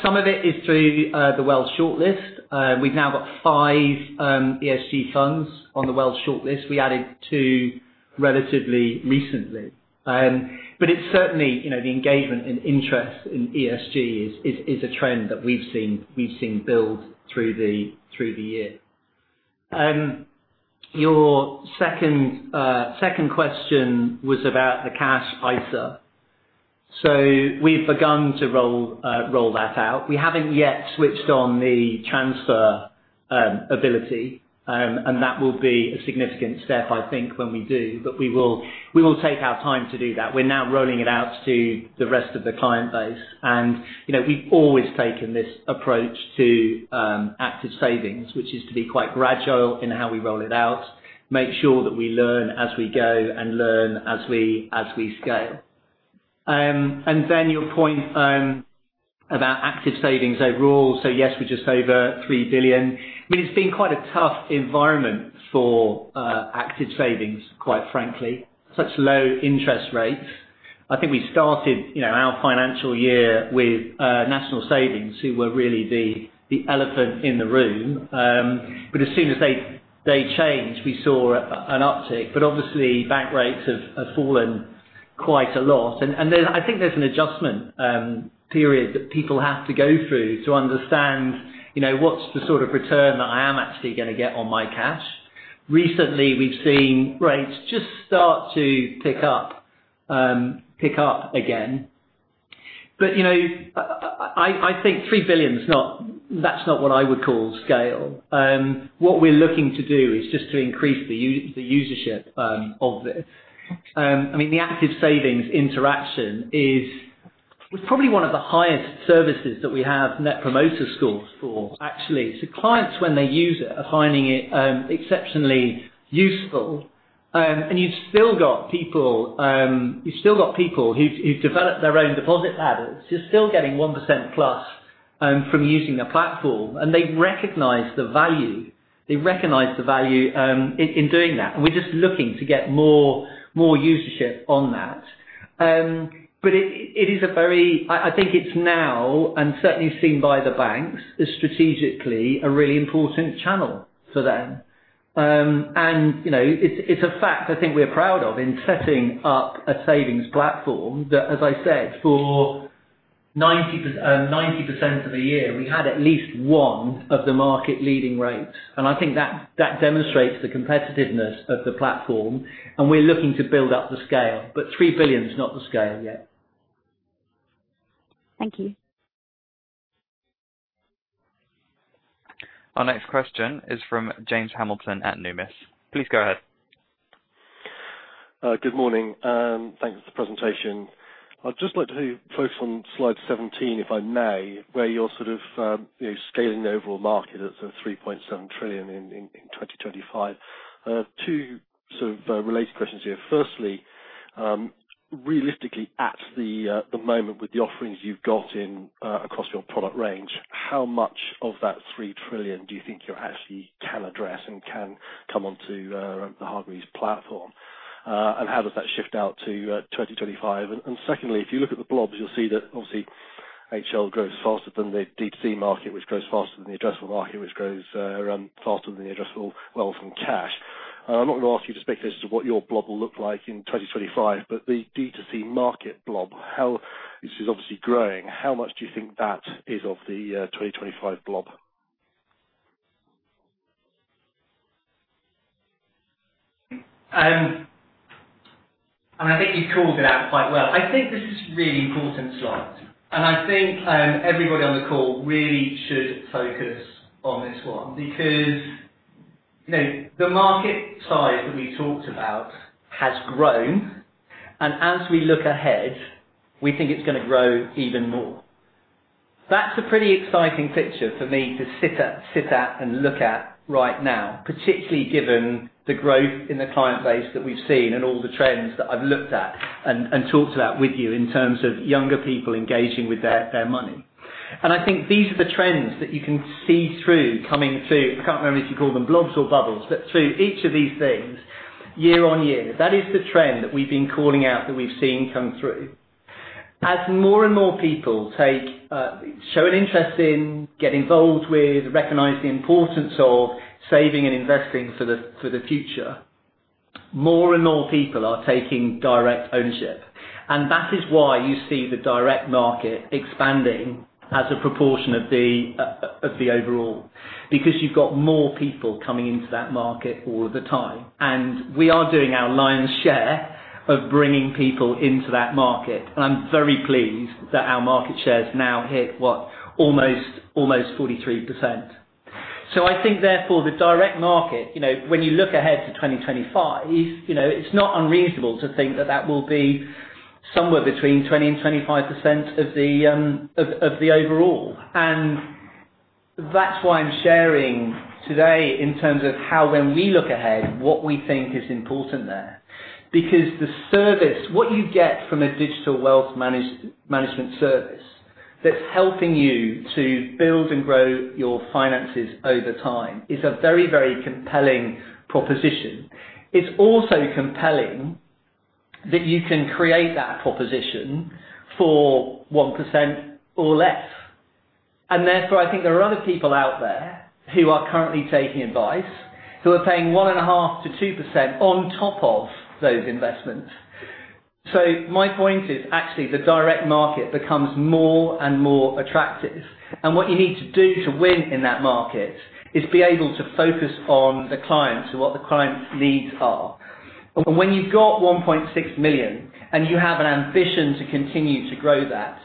Some of it is through the Wealth Shortlist. We've now got 5 ESG funds on the Wealth Shortlist. We added two relatively recently. It's certainly the engagement and interest in ESG is a trend that we've seen build through the year. Your second question was about the cash ISA. We've begun to roll that out. We haven't yet switched on the transfer ability, and that will be a significant step, I think, when we do, but we will take our time to do that. We're now rolling it out to the rest of the client base. We've always taken this approach to Active Savings, which is to be quite gradual in how we roll it out. Make sure that we learn as we go and learn as we scale. Your point about Active Savings overall. Yes, we're just over 3 billion. I mean, it's been quite a tough environment for Active Savings, quite frankly. Such low interest rates. I think we started our financial year with National Savings, who were really the elephant in the room. As soon as they changed, we saw an uptick. Obviously bank rates have fallen quite a lot. I think there's an adjustment period that people have to go through to understand what's the sort of return that I am actually going to get on my cash. Recently, we've seen rates just start to pick up again. I think 3 billion is not what I would call scale. What we're looking to do is just to increase the usership of this. I mean, the Active Savings interaction was probably one of the highest services that we have Net Promoter Scores for, actually. Clients, when they use it, are finding it exceptionally useful. You've still got people who've developed their own deposit ladders, who're still getting 1% plus from using the platform, and they recognize the value. They recognize the value in doing that, and we're just looking to get more usership on that. I think it's now, and certainly seen by the banks, as strategically a really important channel for them. It's a fact I think we're proud of in setting up a savings platform that, as I said, for 90% of the year, we had at least one of the market-leading rates. I think that demonstrates the competitiveness of the platform, and we're looking to build up the scale. 3 billion is not the scale yet.
Thank you.
Our next question is from James Hamilton at Numis. Please go ahead.
Good morning. Thanks for the presentation. I'd just like to focus on slide 17, if I may, where you're sort of scaling the overall market at sort of 3.7 trillion in 2025. Two sort of related questions here. Firstly, realistically, at the moment with the offerings you've got in across your product range, how much of that 3 trillion do you think you actually can address and can come onto the Hargreaves platform? How does that shift out to 2025? Secondly, if you look at the blobs, you'll see that obviously HL grows faster than the D2C market, which grows faster than the addressable market, which grows faster than the addressable wealth from cash. I'm not going to ask you to speculate as to what your blob will look like in 2025, but the D2C market blob, this is obviously growing, how much do you think that is of the 2025 blob?
I think you called it out quite well. I think this is a really important slide, and I think everybody on the call really should focus on this one because the market size that we talked about has grown, and as we look ahead, we think it's going to grow even more. That's a pretty exciting picture for me to sit at and look at right now, particularly given the growth in the client base that we've seen and all the trends that I've looked at and talked about with you in terms of younger people engaging with their money. I think these are the trends that you can see through coming through, I can't remember if you call them blobs or bubbles, but through each of these things year on year. That is the trend that we've been calling out that we've seen come through. As more and more people show an interest in, get involved with, recognize the importance of saving and investing for the future, more and more people are taking direct ownership. That is why you see the direct market expanding as a proportion of the overall, because you've got more people coming into that market all the time. We are doing our lion's share of bringing people into that market. I'm very pleased that our market share has now hit, what, almost 43%. I think therefore the direct market, when you look ahead to 2025, it's not unreasonable to think that that will be somewhere between 20%-25% of the overall. That's why I'm sharing today in terms of how when we look ahead, what we think is important there. Because the service, what you get from a digital wealth management service that's helping you to build and grow your finances over time is a very compelling proposition. It's also compelling that you can create that proposition for 1% or less. I think there are a lot of people out there who are currently taking advice, who are paying 1.5%-2% on top of those investments. My point is actually the direct market becomes more and more attractive. What you need to do to win in that market is be able to focus on the clients and what the client's needs are. When you've got 1.6 million and you have an ambition to continue to grow that,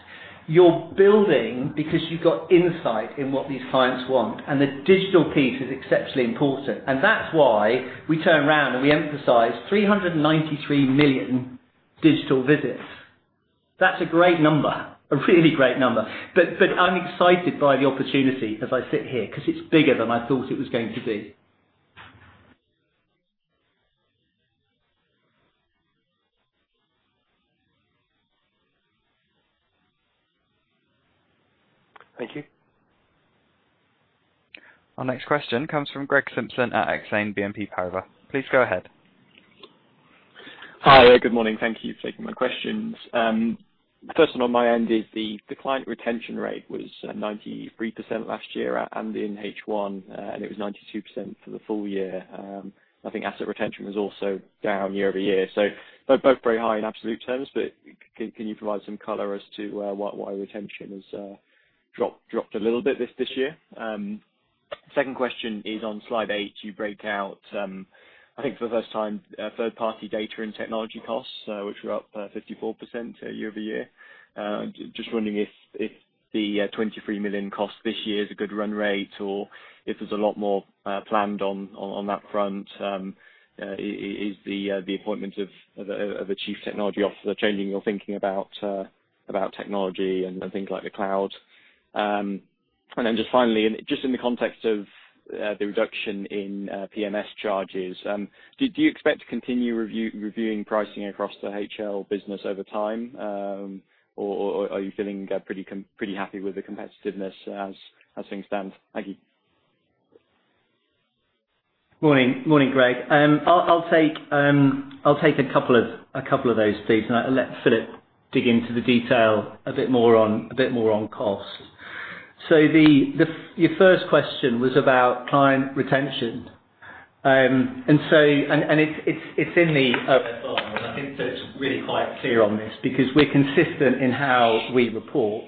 you're building because you've got insight in what these clients want, and the digital piece is exceptionally important. That's why we turn around and we emphasize 393 million digital visits. That's a great number, a really great number. I'm excited by the opportunity as I sit here, because it's bigger than I thought it was going to be.
Thank you.
Our next question comes from Greg Simpson at Exane BNP Paribas. Please go ahead.
Hi. Good morning. Thank you for taking my questions. First one on my end is the client retention rate was at 93% last year, and in H1, and it was 92% for the full year. I think asset retention was also down year-over-year. Both very high in absolute terms, but can you provide some color as to why retention has dropped a little bit this year? Second question is on Slide eight, you break out, I think for the first time, third-party data and technology costs, which were up 54% year-over-year. Just wondering if the 23 million cost this year is a good run rate or if there's a lot more planned on that front. Is the appointment of a Chief Technology Officer changing your thinking about technology and things like the cloud? Just finally, just in the context of the reduction in PMS charges, do you expect to continue reviewing pricing across the HL business over time? Or are you feeling pretty happy with the competitiveness as things stand? Thank you.
Morning, Greg. I'll take a couple of those things and let Philip dig into the detail a bit more on costs. Your first question was about client retention. It's in the I think Philip's really quite clear on this because we're consistent in how we report.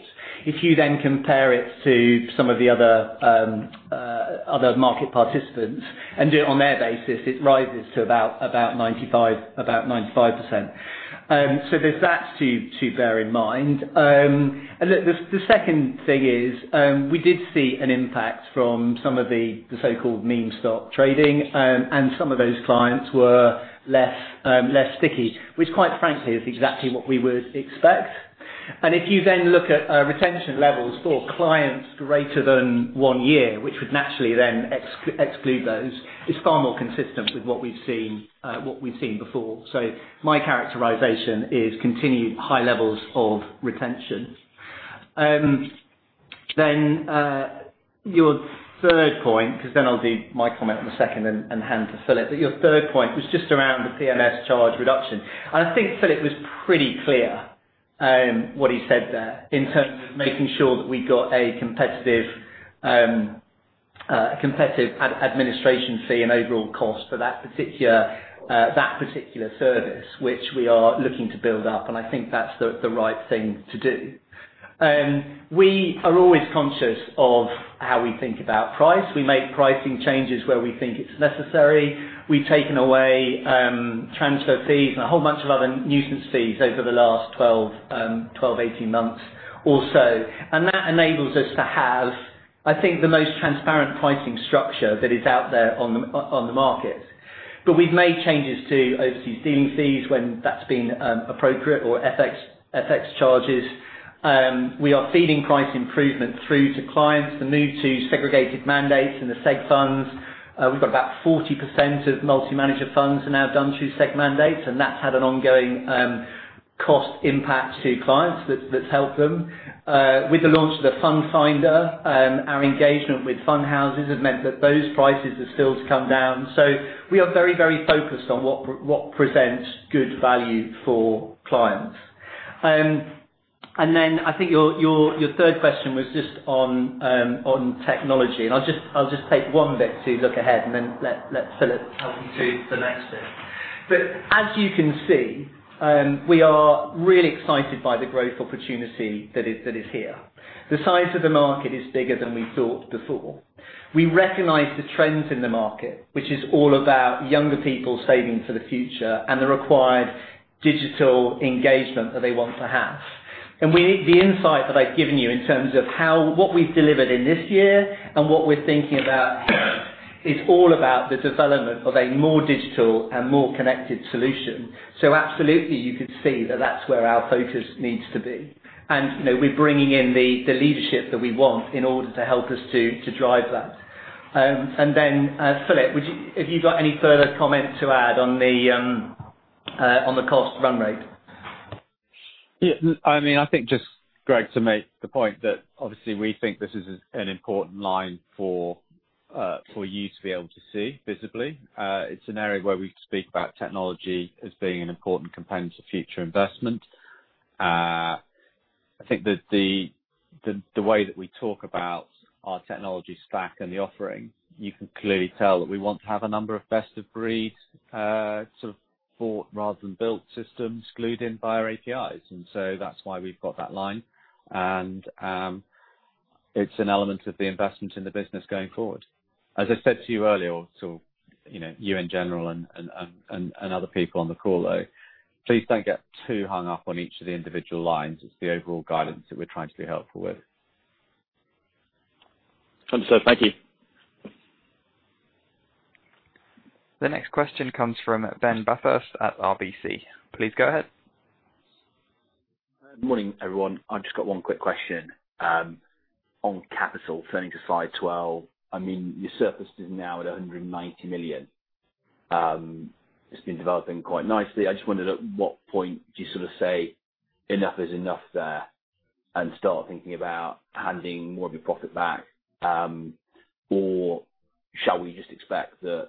If you compare it to some of the other market participants and do it on their basis, it rises to about 95%. There's that to bear in mind. Look, the second thing is, we did see an impact from some of the so-called meme stock trading, and some of those clients were less sticky, which quite frankly, is exactly what we would expect. If you look at retention levels for clients greater than one year, which would naturally then exclude those, it's far more consistent with what we've seen before. My characterization is continued high levels of retention. Your third point, I'll do my comment on the second and hand to Philip. Your third point was just around the PMS charge reduction. I think Philip was pretty clear what he said there in terms of making sure that we got a competitive administration fee and overall cost for that particular service, which we are looking to build up, and I think that's the right thing to do. We are always conscious of how we think about price. We make pricing changes where we think it's necessary. We've taken away transfer fees and a whole bunch of other nuisance fees over the last 12, 18 months also. That enables us to have, I think, the most transparent pricing structure that is out there on the market. We've made changes to overseas dealing fees when that's been appropriate or FX charges. We are feeding price improvement through to clients, the move to segregated mandates and the seg funds. We've got about 40% of multi-manager funds are now done through seg mandates, and that's had an ongoing cost impact to clients that's helped them. With the launch of the Fund Finder, our engagement with fund houses has meant that those prices are still to come down. We are very, very focused on what presents good value for clients. I think your third question was just on technology, and I'll just take one bit to look ahead and then let Philip help you through the next bit. As you can see, we are really excited by the growth opportunity that is here. The size of the market is bigger than we thought before. We recognize the trends in the market, which is all about younger people saving for the future and the required digital engagement that they want to have. The insight that I've given you in terms of what we've delivered in this year and what we're thinking about here is all about the development of a more digital and more connected solution. Absolutely, you could see that that's where our focus needs to be. We're bringing in the leadership that we want in order to help us to drive that. Then Philip, have you got any further comments to add on the cost run rate?
Yeah. I think just, Greg, to make the point that obviously we think this is an important line for you to be able to see visibly. It's an area where we speak about technology as being an important component to future investment. I think the way that we talk about our technology stack and the offering, you can clearly tell that we want to have a number of best-of-breed bought rather than built systems glued in by our APIs. That's why we've got that line. It's an element of the investment in the business going forward. As I said to you earlier, you in general and other people on the call though, please don't get too hung up on each of the individual lines. It's the overall guidance that we're trying to be helpful with.
Understood. Thank you.
The next question comes from Ben Bathurst at RBC. Please go ahead.
Morning, everyone. I've just got one quick question. On capital, turning to slide 12, your surplus is now at 190 million. It's been developing quite nicely. I just wondered, at what point do you sort of say enough is enough there and start thinking about handing more of your profit back? Or shall we just expect that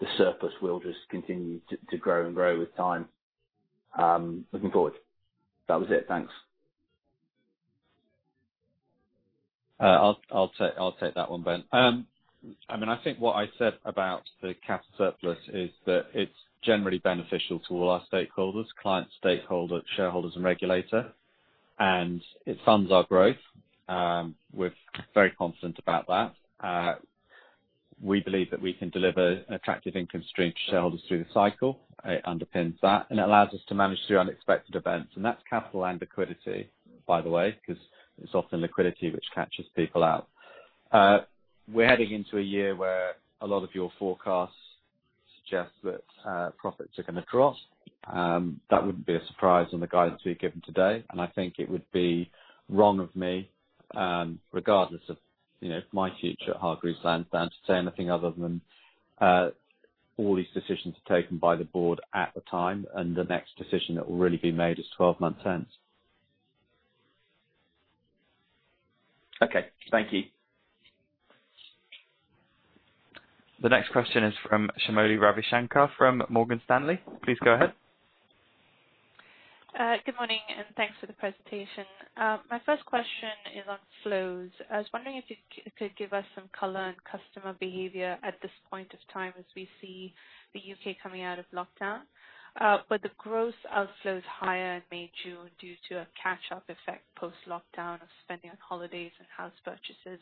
the surplus will just continue to grow and grow with time, looking forward? That was it. Thanks.
I'll take that one, Ben. I think what I said about the capital surplus is that it's generally beneficial to all our stakeholders, clients, stakeholders, shareholders, and regulators, and it funds our growth. We're very confident about that. We believe that we can deliver an attractive income stream to shareholders through the cycle. It underpins that, and it allows us to manage through unexpected events, and that's capital and liquidity, by the way, because it's often liquidity which catches people out. We're heading into a year where a lot of your forecasts suggest that profits are going to drop. That wouldn't be a surprise on the guidance we've given today, and I think it would be wrong of me, regardless of my future at Hargreaves Lansdown, to say anything other than all these decisions are taken by the board at the time, and the next decision that will really be made is 12 months hence.
Okay. Thank you.
The next question is from Shamoli Ravishanker from Morgan Stanley. Please go ahead.
Good morning. Thanks for the presentation. My first question is on flows. I was wondering if you could give us some color on customer behavior at this point in time as we see the U.K. coming out of lockdown. Were the gross outflows higher in May/June due to a catch-up effect post-lockdown of spending on holidays and house purchases,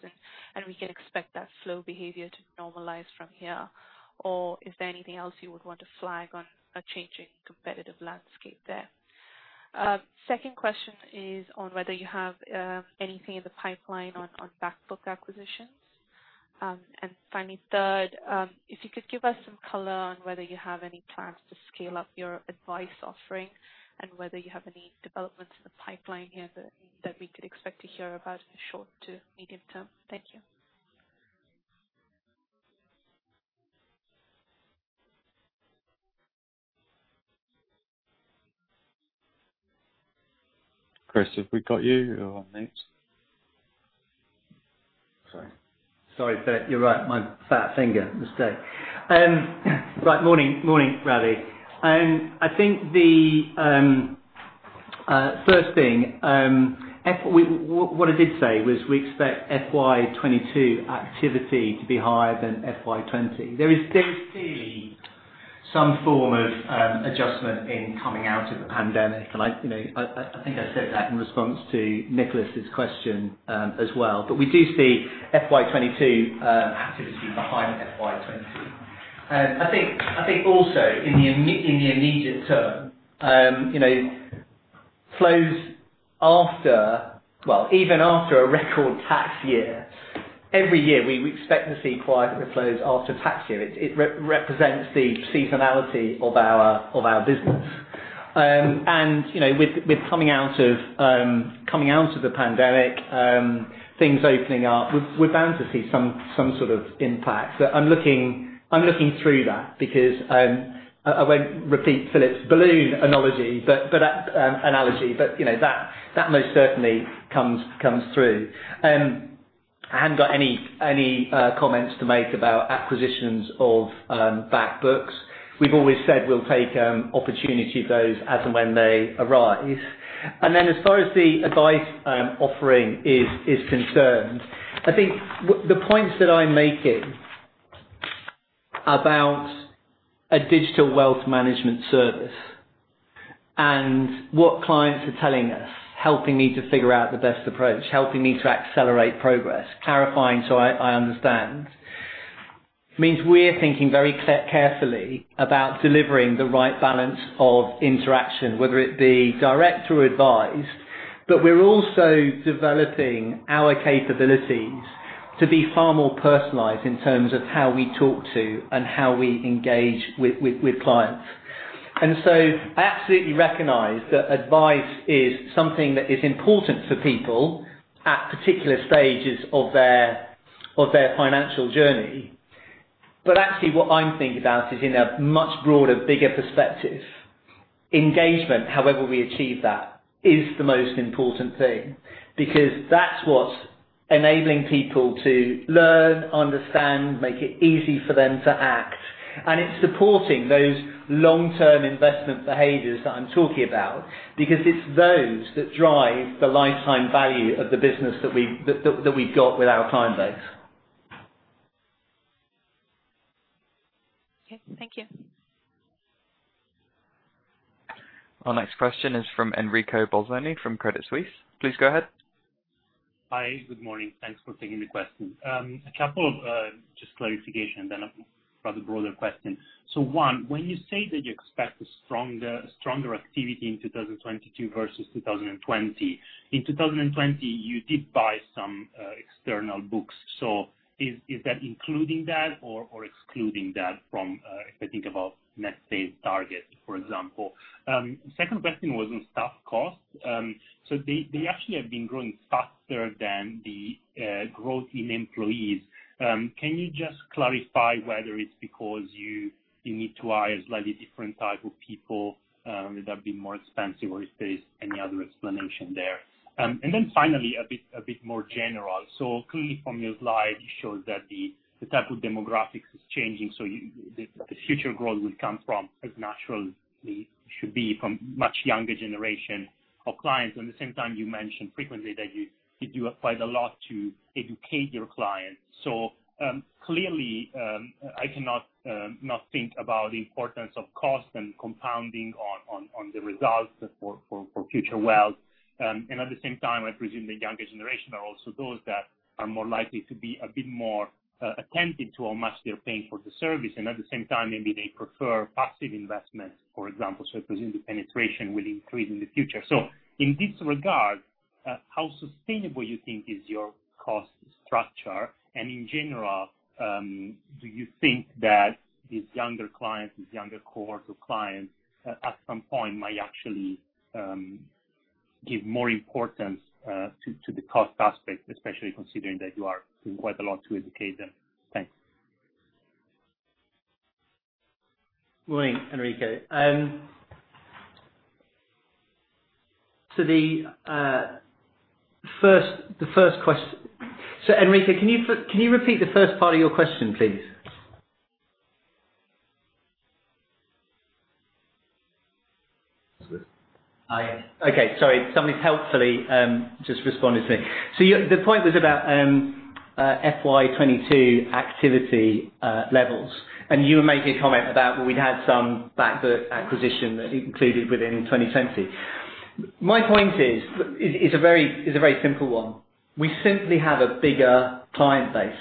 and we can expect that flow behavior to normalize from here? Is there anything else you would want to flag on a changing competitive landscape there? Second question is on whether you have anything in the pipeline on back book acquisitions. Finally, third, if you could give us some color on whether you have any plans to scale up your advice offering and whether you have any developments in the pipeline here that we could expect to hear about in the short to medium term. Thank you.
Chris, have we got you on next?
Sorry. Sorry. You're right. My fat finger. Mistake. Right. Morning, Ravi. I think the first thing, what I did say was we expect FY 2022 activity to be higher than FY 2020. There is clearly some form of adjustment in coming out of the pandemic, I think I said that in response to Nicholas's question as well. We do see FY 2022 activity behind FY 2020. I think also in the immediate term, even after a record tax year, every year, we expect to see quieter flows after the tax year. It represents the seasonality of our business. With coming out of the pandemic, things opening up, we're bound to see some sort of impact. I'm looking through that because I won't repeat Philip's balloon analogy, but that most certainly comes through. I haven't got any comments to make about acquisitions of back books. We've always said we'll take opportunity of those as and when they arise. Then as far as the advice offering is concerned, I think the points that I'm making about a digital wealth management service and what clients are telling us, helping me to figure out the best approach, helping me to accelerate progress, clarifying so I understand, means we're thinking very carefully about delivering the right balance of interaction, whether it be direct or advised. We're also developing our capabilities to be far more personalized in terms of how we talk to and how we engage with clients. So I absolutely recognize that advice is something that is important for people at particular stages of their financial journey. Actually what I'm thinking about is in a much broader, bigger perspective. Engagement, however we achieve that, is the most important thing because that's what's enabling people to learn, understand, make it easy for them to act. It's supporting those long-term investment behaviors that I'm talking about because it's those that drive the lifetime value of the business that we've got with our client base.
Okay. Thank you.
Our next question is from Enrico Bolzoni from Credit Suisse. Please go ahead.
Hi. Good morning. Thanks for taking the questions. A couple of just clarification then a rather broader question. One, when you say that you expect a stronger activity in 2022 versus 2020, in 2020 you did buy some external books. Is that including that or excluding that from if I think about net-based target, for example? Second question was on staff costs. They actually have been growing faster than the growth in employees. Can you just clarify whether it's because you need to hire slightly different type of people that have been more expensive or if there's any other explanation there? Finally, a bit more general. Clearly from your slide, it shows that the type of demographics is changing, so the future growth will come from, as naturally should be, from much younger generation of clients. At the same time, you mentioned frequently that you do quite a lot to educate your clients. Clearly, I cannot not think about the importance of cost and compounding on the results for future wealth. At the same time, I presume the younger generation are also those that are more likely to be a bit more attentive to how much they're paying for the service. At the same time, maybe they prefer passive investments, for example. I presume the penetration will increase in the future. In this regard, how sustainable you think is your cost structure? In general, do you think that these younger clients, these younger cohort of clients at some point might actually give more importance to the cost aspect, especially considering that you are doing quite a lot to educate them? Thanks.
Morning, Enrico. Enrico, can you repeat the first part of your question, please? Okay, sorry, somebody's helpfully just responded to me. The point was about FY 2022 activity levels, and you were making a comment about, well, we'd had some back book acquisition that included within 2020. My point is a very simple one. We simply have a bigger client base.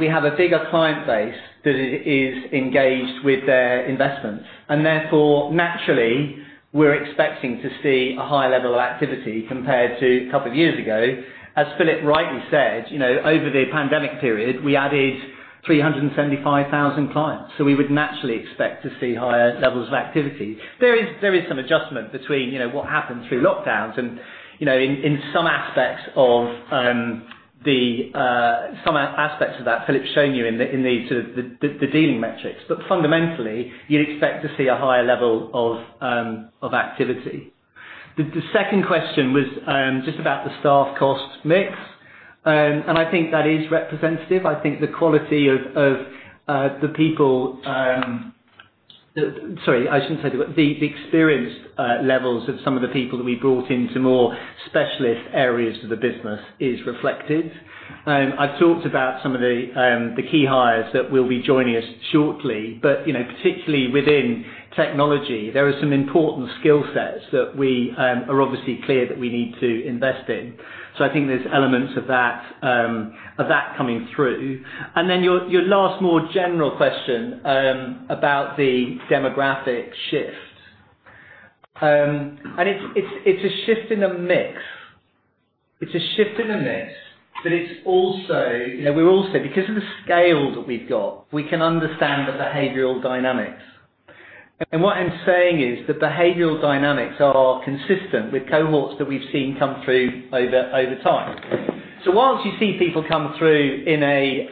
We have a bigger client base that is engaged with their investments, and therefore naturally we're expecting to see a higher level of activity compared to a couple of years ago. As Philip rightly said, over the pandemic period we added 375,000 clients. We would naturally expect to see higher levels of activity. There is some adjustment between what happened through lockdowns and in some aspects of that Philip's shown you in the sort of the dealing metrics. Fundamentally, you'd expect to see a higher level of activity. The second question was just about the staff cost mix. I think that is representative. Sorry, I shouldn't say the quality. The experience levels of some of the people that we brought into more specialist areas of the business is reflected. I talked about some of the key hires that will be joining us shortly, but particularly within technology, there are some important skill sets that we are obviously clear that we need to invest in. I think there's elements of that coming through. Then your last, more general question about the demographic shift. It's a shift in a mix. It's a shift in a mix, but we're also, because of the scale that we've got, we can understand the behavioral dynamics. What I'm saying is the behavioral dynamics are consistent with cohorts that we've seen come through over time. Once you see people come through in a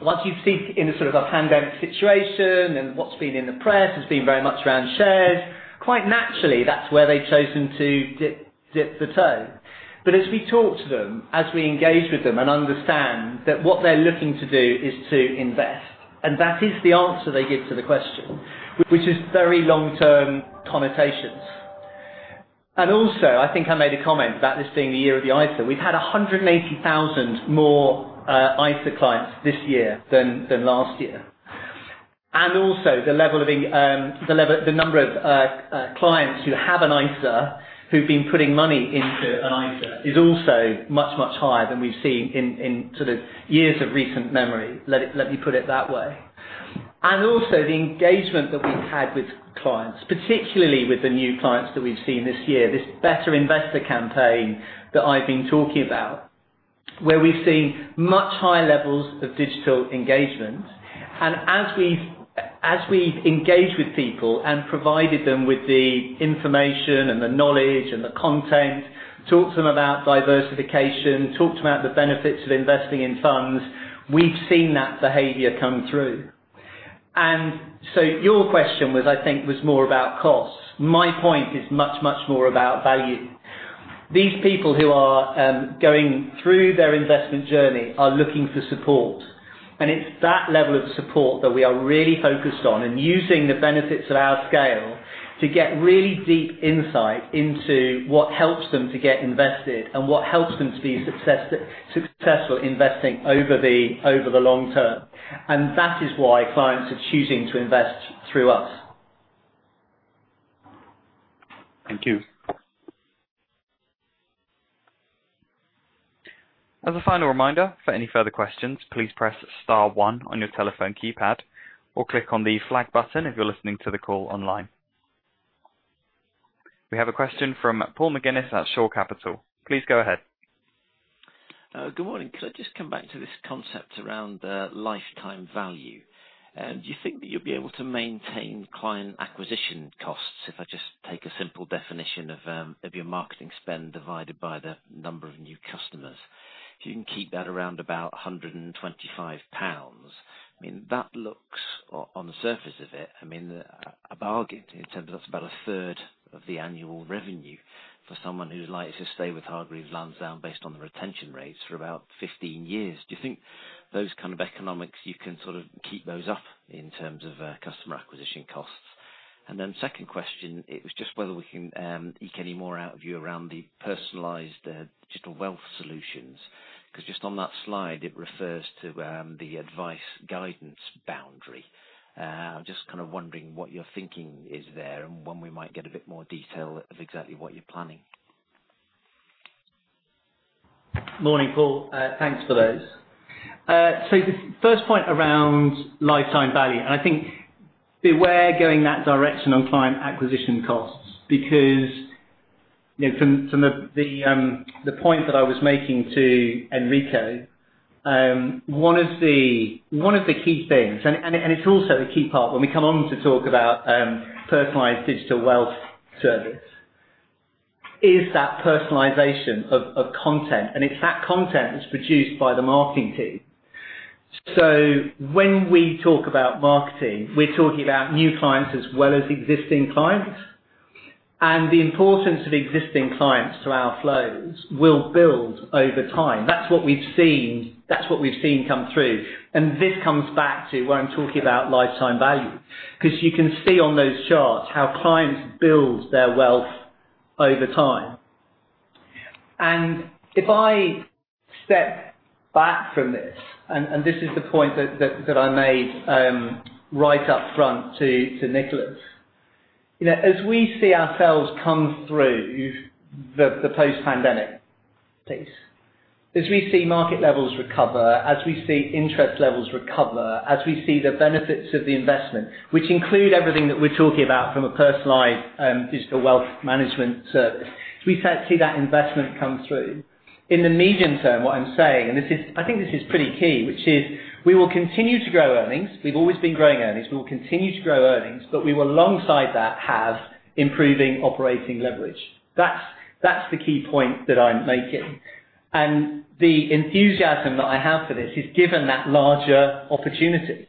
sort of a pandemic situation and what's been in the press has been very much around shares, quite naturally, that's where they've chosen to dip the toe. As we talk to them, as we engage with them and understand that what they're looking to do is to invest, and that is the answer they give to the question, which is very long-term connotations. Also, I think I made a comment about this being the year of the ISA. We've had 180,000 more ISA clients this year than last year. The number of clients who have an ISA, who've been putting money into an ISA is also much, much higher than we've seen in sort of years of recent memory. Let me put it that way. The engagement that we've had with clients, particularly with the new clients that we've seen this year, this Better Investor campaign that I've been talking about, where we've seen much higher levels of digital engagement. As we engage with people and provided them with the information and the knowledge and the content, talked to them about diversification, talked to them about the benefits of investing in funds, we've seen that behavior come through. Your question was, I think, was more about cost. My point is much, much more about value. These people who are going through their investment journey are looking for support. It's that level of support that we are really focused on and using the benefits of our scale to get really deep insight into what helps them to get invested and what helps them to be successful investing over the long term. That is why clients are choosing to invest through us.
Thank you.
As a final reminder, for any further questions, please press star one on your telephone keypad or click on the flag button if you're listening to the call online. We have a question from Paul McGinnis at Shore Capital. Please go ahead.
Good morning. Could I just come back to this concept around lifetime value? Do you think that you'll be able to maintain client acquisition costs? If I just take a simple definition of your marketing spend divided by the number of new customers. If you can keep that around about 125 pounds, that looks, on the surface of it, a bargain in terms of that's about a third of the annual revenue for someone who's likely to stay with Hargreaves Lansdown based on the retention rates for about 15 years. Do you think those kind of economics, you can sort of keep those up in terms of customer acquisition costs? Second question, it was just whether we can eke any more out of you around the personalized digital wealth solutions, because just on that slide, it refers to the advice guidance boundary. I'm just kind of wondering what your thinking is there and when we might get a bit more detail of exactly what you're planning.
Morning, Paul. Thanks for those. The first point around lifetime value, I think beware going that direction on client acquisition costs, because from the point that I was making to Enrico, one of the key things, it's also a key part when we come on to talk about personalized digital wealth service, is that personalization of content, it's that content that's produced by the marketing team. When we talk about marketing, we're talking about new clients as well as existing clients, the importance of existing clients to our flows will build over time. That's what we've seen come through, this comes back to when I'm talking about lifetime value. You can see on those charts how clients build their wealth over time. If I step back from this is the point that I made right up front to Nicholas. As we see ourselves come through the post-pandemic phase, as we see market levels recover, as we see interest levels recover, as we see the benefits of the investment, which include everything that we're talking about from a personalized digital wealth management service, as we see that investment come through. In the medium term, what I'm saying, and I think this is pretty key, which is we will continue to grow earnings. We've always been growing earnings. We will continue to grow earnings, but we will alongside that have improving operating leverage. That's the key point that I'm making, and the enthusiasm that I have for this is given that larger opportunity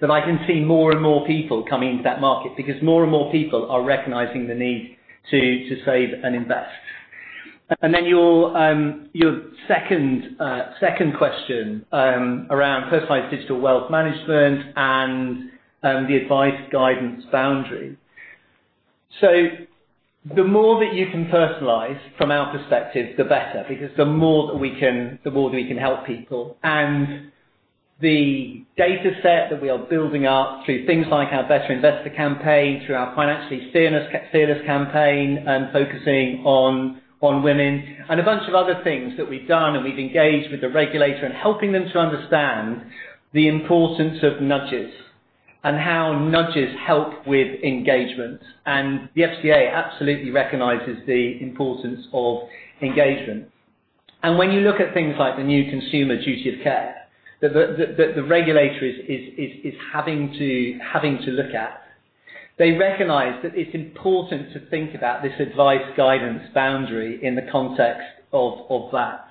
that I can see more and more people coming into that market because more and more people are recognizing the need to save and invest. Your second question around personalized digital wealth management and the advice guidance boundary. The more that you can personalize from our perspective, the better, because the more that we can help people. The dataset that we are building up through things like our Better Investor campaign, through our Financially Fearless campaign, and focusing on women and a bunch of other things that we've done, and we've engaged with the regulator in helping them to understand the importance of nudges and how nudges help with engagement. The FCA absolutely recognizes the importance of engagement. When you look at things like the new Consumer Duty that the regulator is having to look at, they recognize that it's important to think about this advice guidance boundary in the context of that.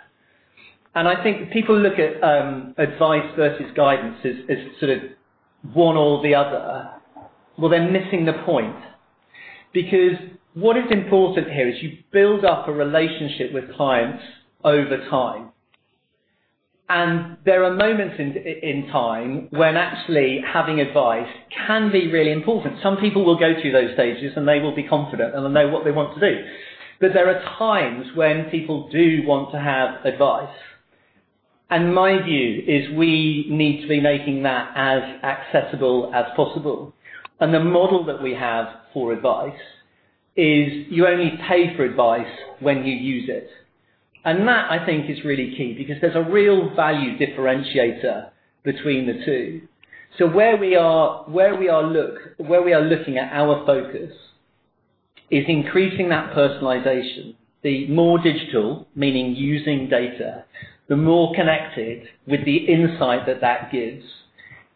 I think people look at advice versus guidance as sort of one or the other. Well, they're missing the point. What is important here is you build up a relationship with clients over time, and there are moments in time when actually having advice can be really important. Some people will go through those stages, and they will be confident and will know what they want to do. There are times when people do want to have advice. My view is we need to be making that as accessible as possible. The model that we have for advice is you only pay for advice when you use it. That, I think, is really key because there's a real value differentiator between the two. Where we are looking at our focus is increasing that personalization, the more digital, meaning using data, the more connected with the insight that that gives.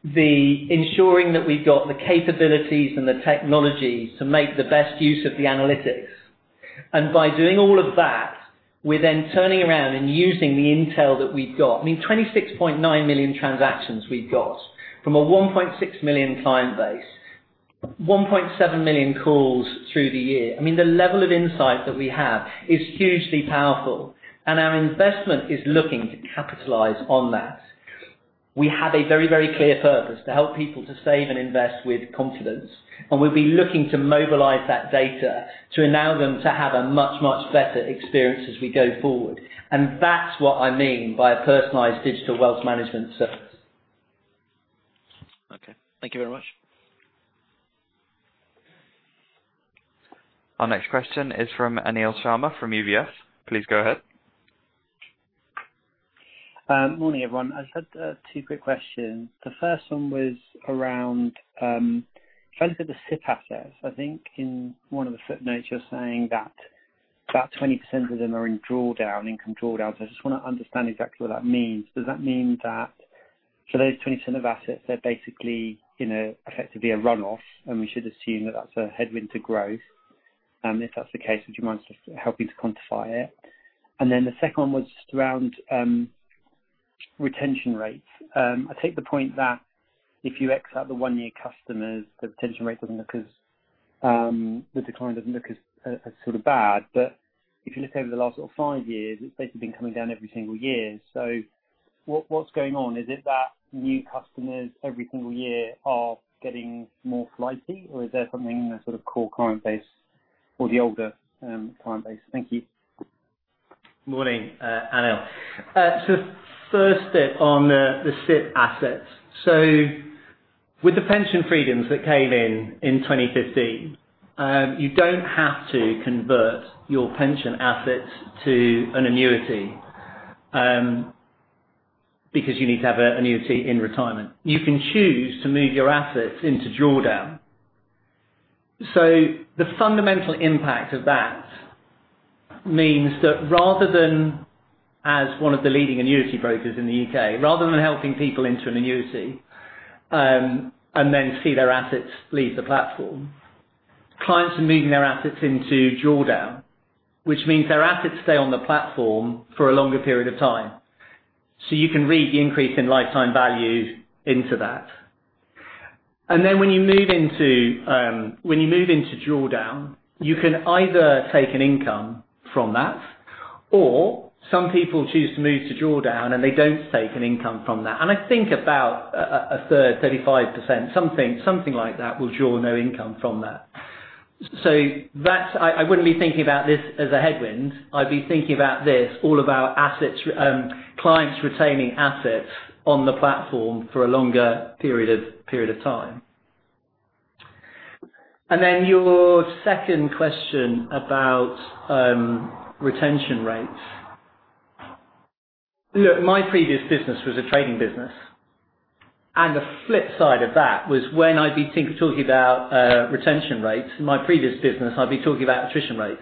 The ensuring that we've got the capabilities and the technology to make the best use of the analytics. By doing all of that, we're then turning around and using the intel that we've got. I mean, 26.9 million transactions we've got from a 1.6 million client base, 1.7 million calls through the year. I mean, the level of insight that we have is hugely powerful, and our investment is looking to capitalize on that. We have a very, very clear purpose to help people to save and invest with confidence, and we'll be looking to mobilize that data to enable them to have a much, much better experience as we go forward. That's what I mean by a personalized digital wealth management service.
Okay. Thank you very much.
Our next question is from Anil Sharma from UBS. Please go ahead.
Morning, everyone. I just had two quick questions. The first one was around, if I look at the SIPP assets, I think in one of the footnotes you're saying that about 20% of them are in drawdown, income drawdown. I just want to understand exactly what that means. Does that mean that for those 20% of assets, they're basically effectively a run-off, and we should assume that that's a headwind to growth? If that's the case, would you mind just helping to quantify it? The second one was just around retention rates. I take the point that if you X out the one-year customers, The decline doesn't look as sort of bad. If you look over the last sort of five years, it's basically been coming down every single year. What's going on? Is it that new customers every single year are getting more flighty, or is there something in the sort of core client base or the older client base? Thank you.
Morning, Anil. First bit on the SIPP assets. With the pension freedoms that came in in 2015, you don't have to convert your pension assets to an annuity because you need to have an annuity in retirement. You can choose to move your assets into drawdown. The fundamental impact of that means that rather than as one of the leading annuity brokers in the U.K., rather than helping people into an annuity and then see their assets leave the platform, clients are moving their assets into drawdown, which means their assets stay on the platform for a longer period of time. You can read the increase in lifetime value into that. When you move into drawdown, you can either take an income from that or some people choose to move to drawdown and they don't take an income from that. I think about a third, 35%, something like that, will draw no income from that. I wouldn't be thinking about this as a headwind. I'd be thinking about this all of our clients retaining assets on the platform for a longer period of time. Your second question about retention rates. Look, my previous business was a trading business, and the flip side of that was when I'd be talking about retention rates in my previous business, I'd be talking about attrition rates.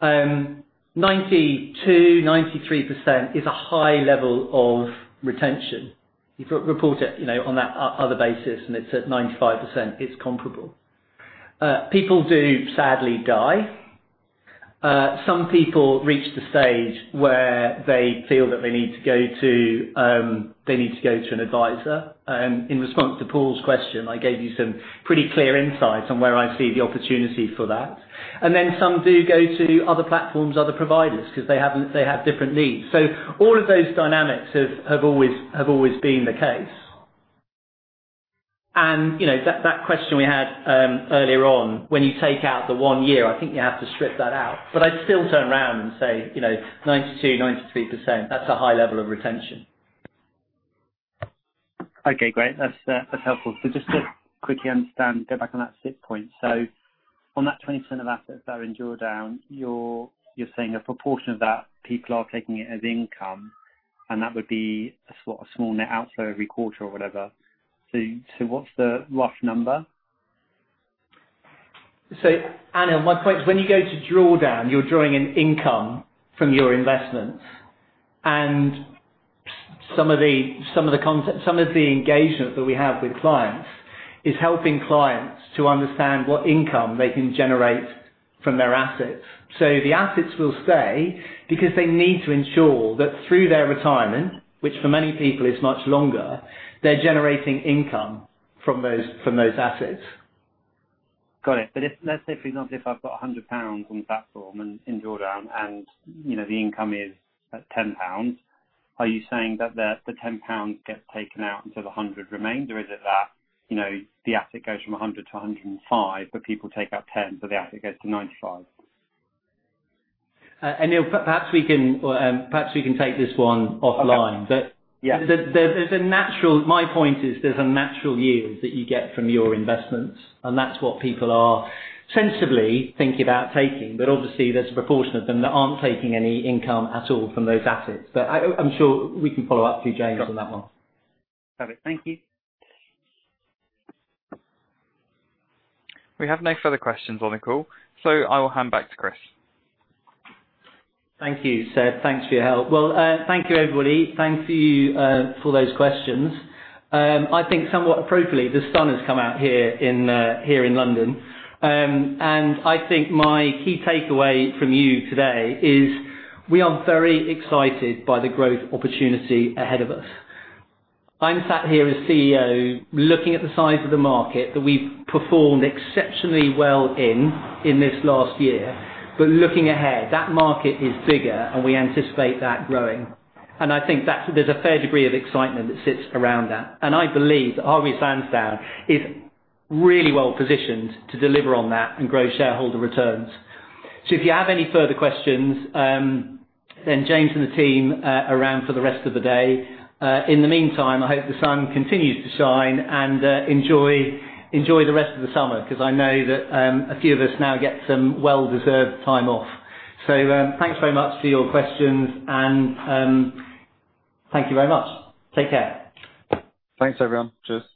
92%, 93% is a high level of retention. You report it on that other basis, and it's at 95%. It's comparable. People do sadly die. Some people reach the stage where they feel that they need to go to an advisor. In response to Paul's question, I gave you some pretty clear insights on where I see the opportunity for that. Some do go to other platforms, other providers, because they have different needs. All of those dynamics have always been the case. That question we had earlier on, when you take out the one year, I think you have to strip that out. I'd still turn around and say 92%, 93%, that's a high level of retention.
Okay, great. That's helpful. Just to quickly understand, go back on that SIPP point. On that 20% of assets that are in drawdown, you're saying a proportion of that people are taking it as income, and that would be a sort of small net outflow every quarter or whatever. What's the rough number?
Anil, my point is when you go to drawdown, you're drawing an income from your investments, and some of the engagement that we have with clients is helping clients to understand what income they can generate from their assets. The assets will stay because they need to ensure that through their retirement, which for many people is much longer, they're generating income from those assets.
Got it. Let's say for example, if I've got 100 pounds on the platform and in drawdown and the income is at 10 pounds, are you saying that the 10 pounds gets taken out until the 100 remains? Or is it that the asset goes from 100 to 105, but people take out 10, so the asset goes to 95?
Anil, perhaps we can take this one offline.
Okay. Yeah.
My point is there's a natural yield that you get from your investments, and that's what people are sensibly thinking about taking. Obviously, there's a proportion of them that aren't taking any income at all from those assets. I'm sure we can follow up through James on that one.
Got it. Thank you.
We have no further questions on the call, so I will hand back to Chris.
Thank you, Seb. Thanks for your help. Well, thank you, everybody. Thank you for those questions. I think somewhat appropriately, the sun has come out here in London. I think my key takeaway from you today is we are very excited by the growth opportunity ahead of us. I'm sat here as CEO looking at the size of the market that we've performed exceptionally well in this last year. Looking ahead, that market is bigger, we anticipate that growing. I think there's a fair degree of excitement that sits around that. I believe that Hargreaves Lansdown is really well positioned to deliver on that and grow shareholder returns. If you have any further questions, James and the team are around for the rest of the day. In the meantime, I hope the sun continues to shine and enjoy the rest of the summer because I know that a few of us now get some well-deserved time off. Thanks very much for your questions, and thank you very much. Take care.
Thanks, everyone. Cheers.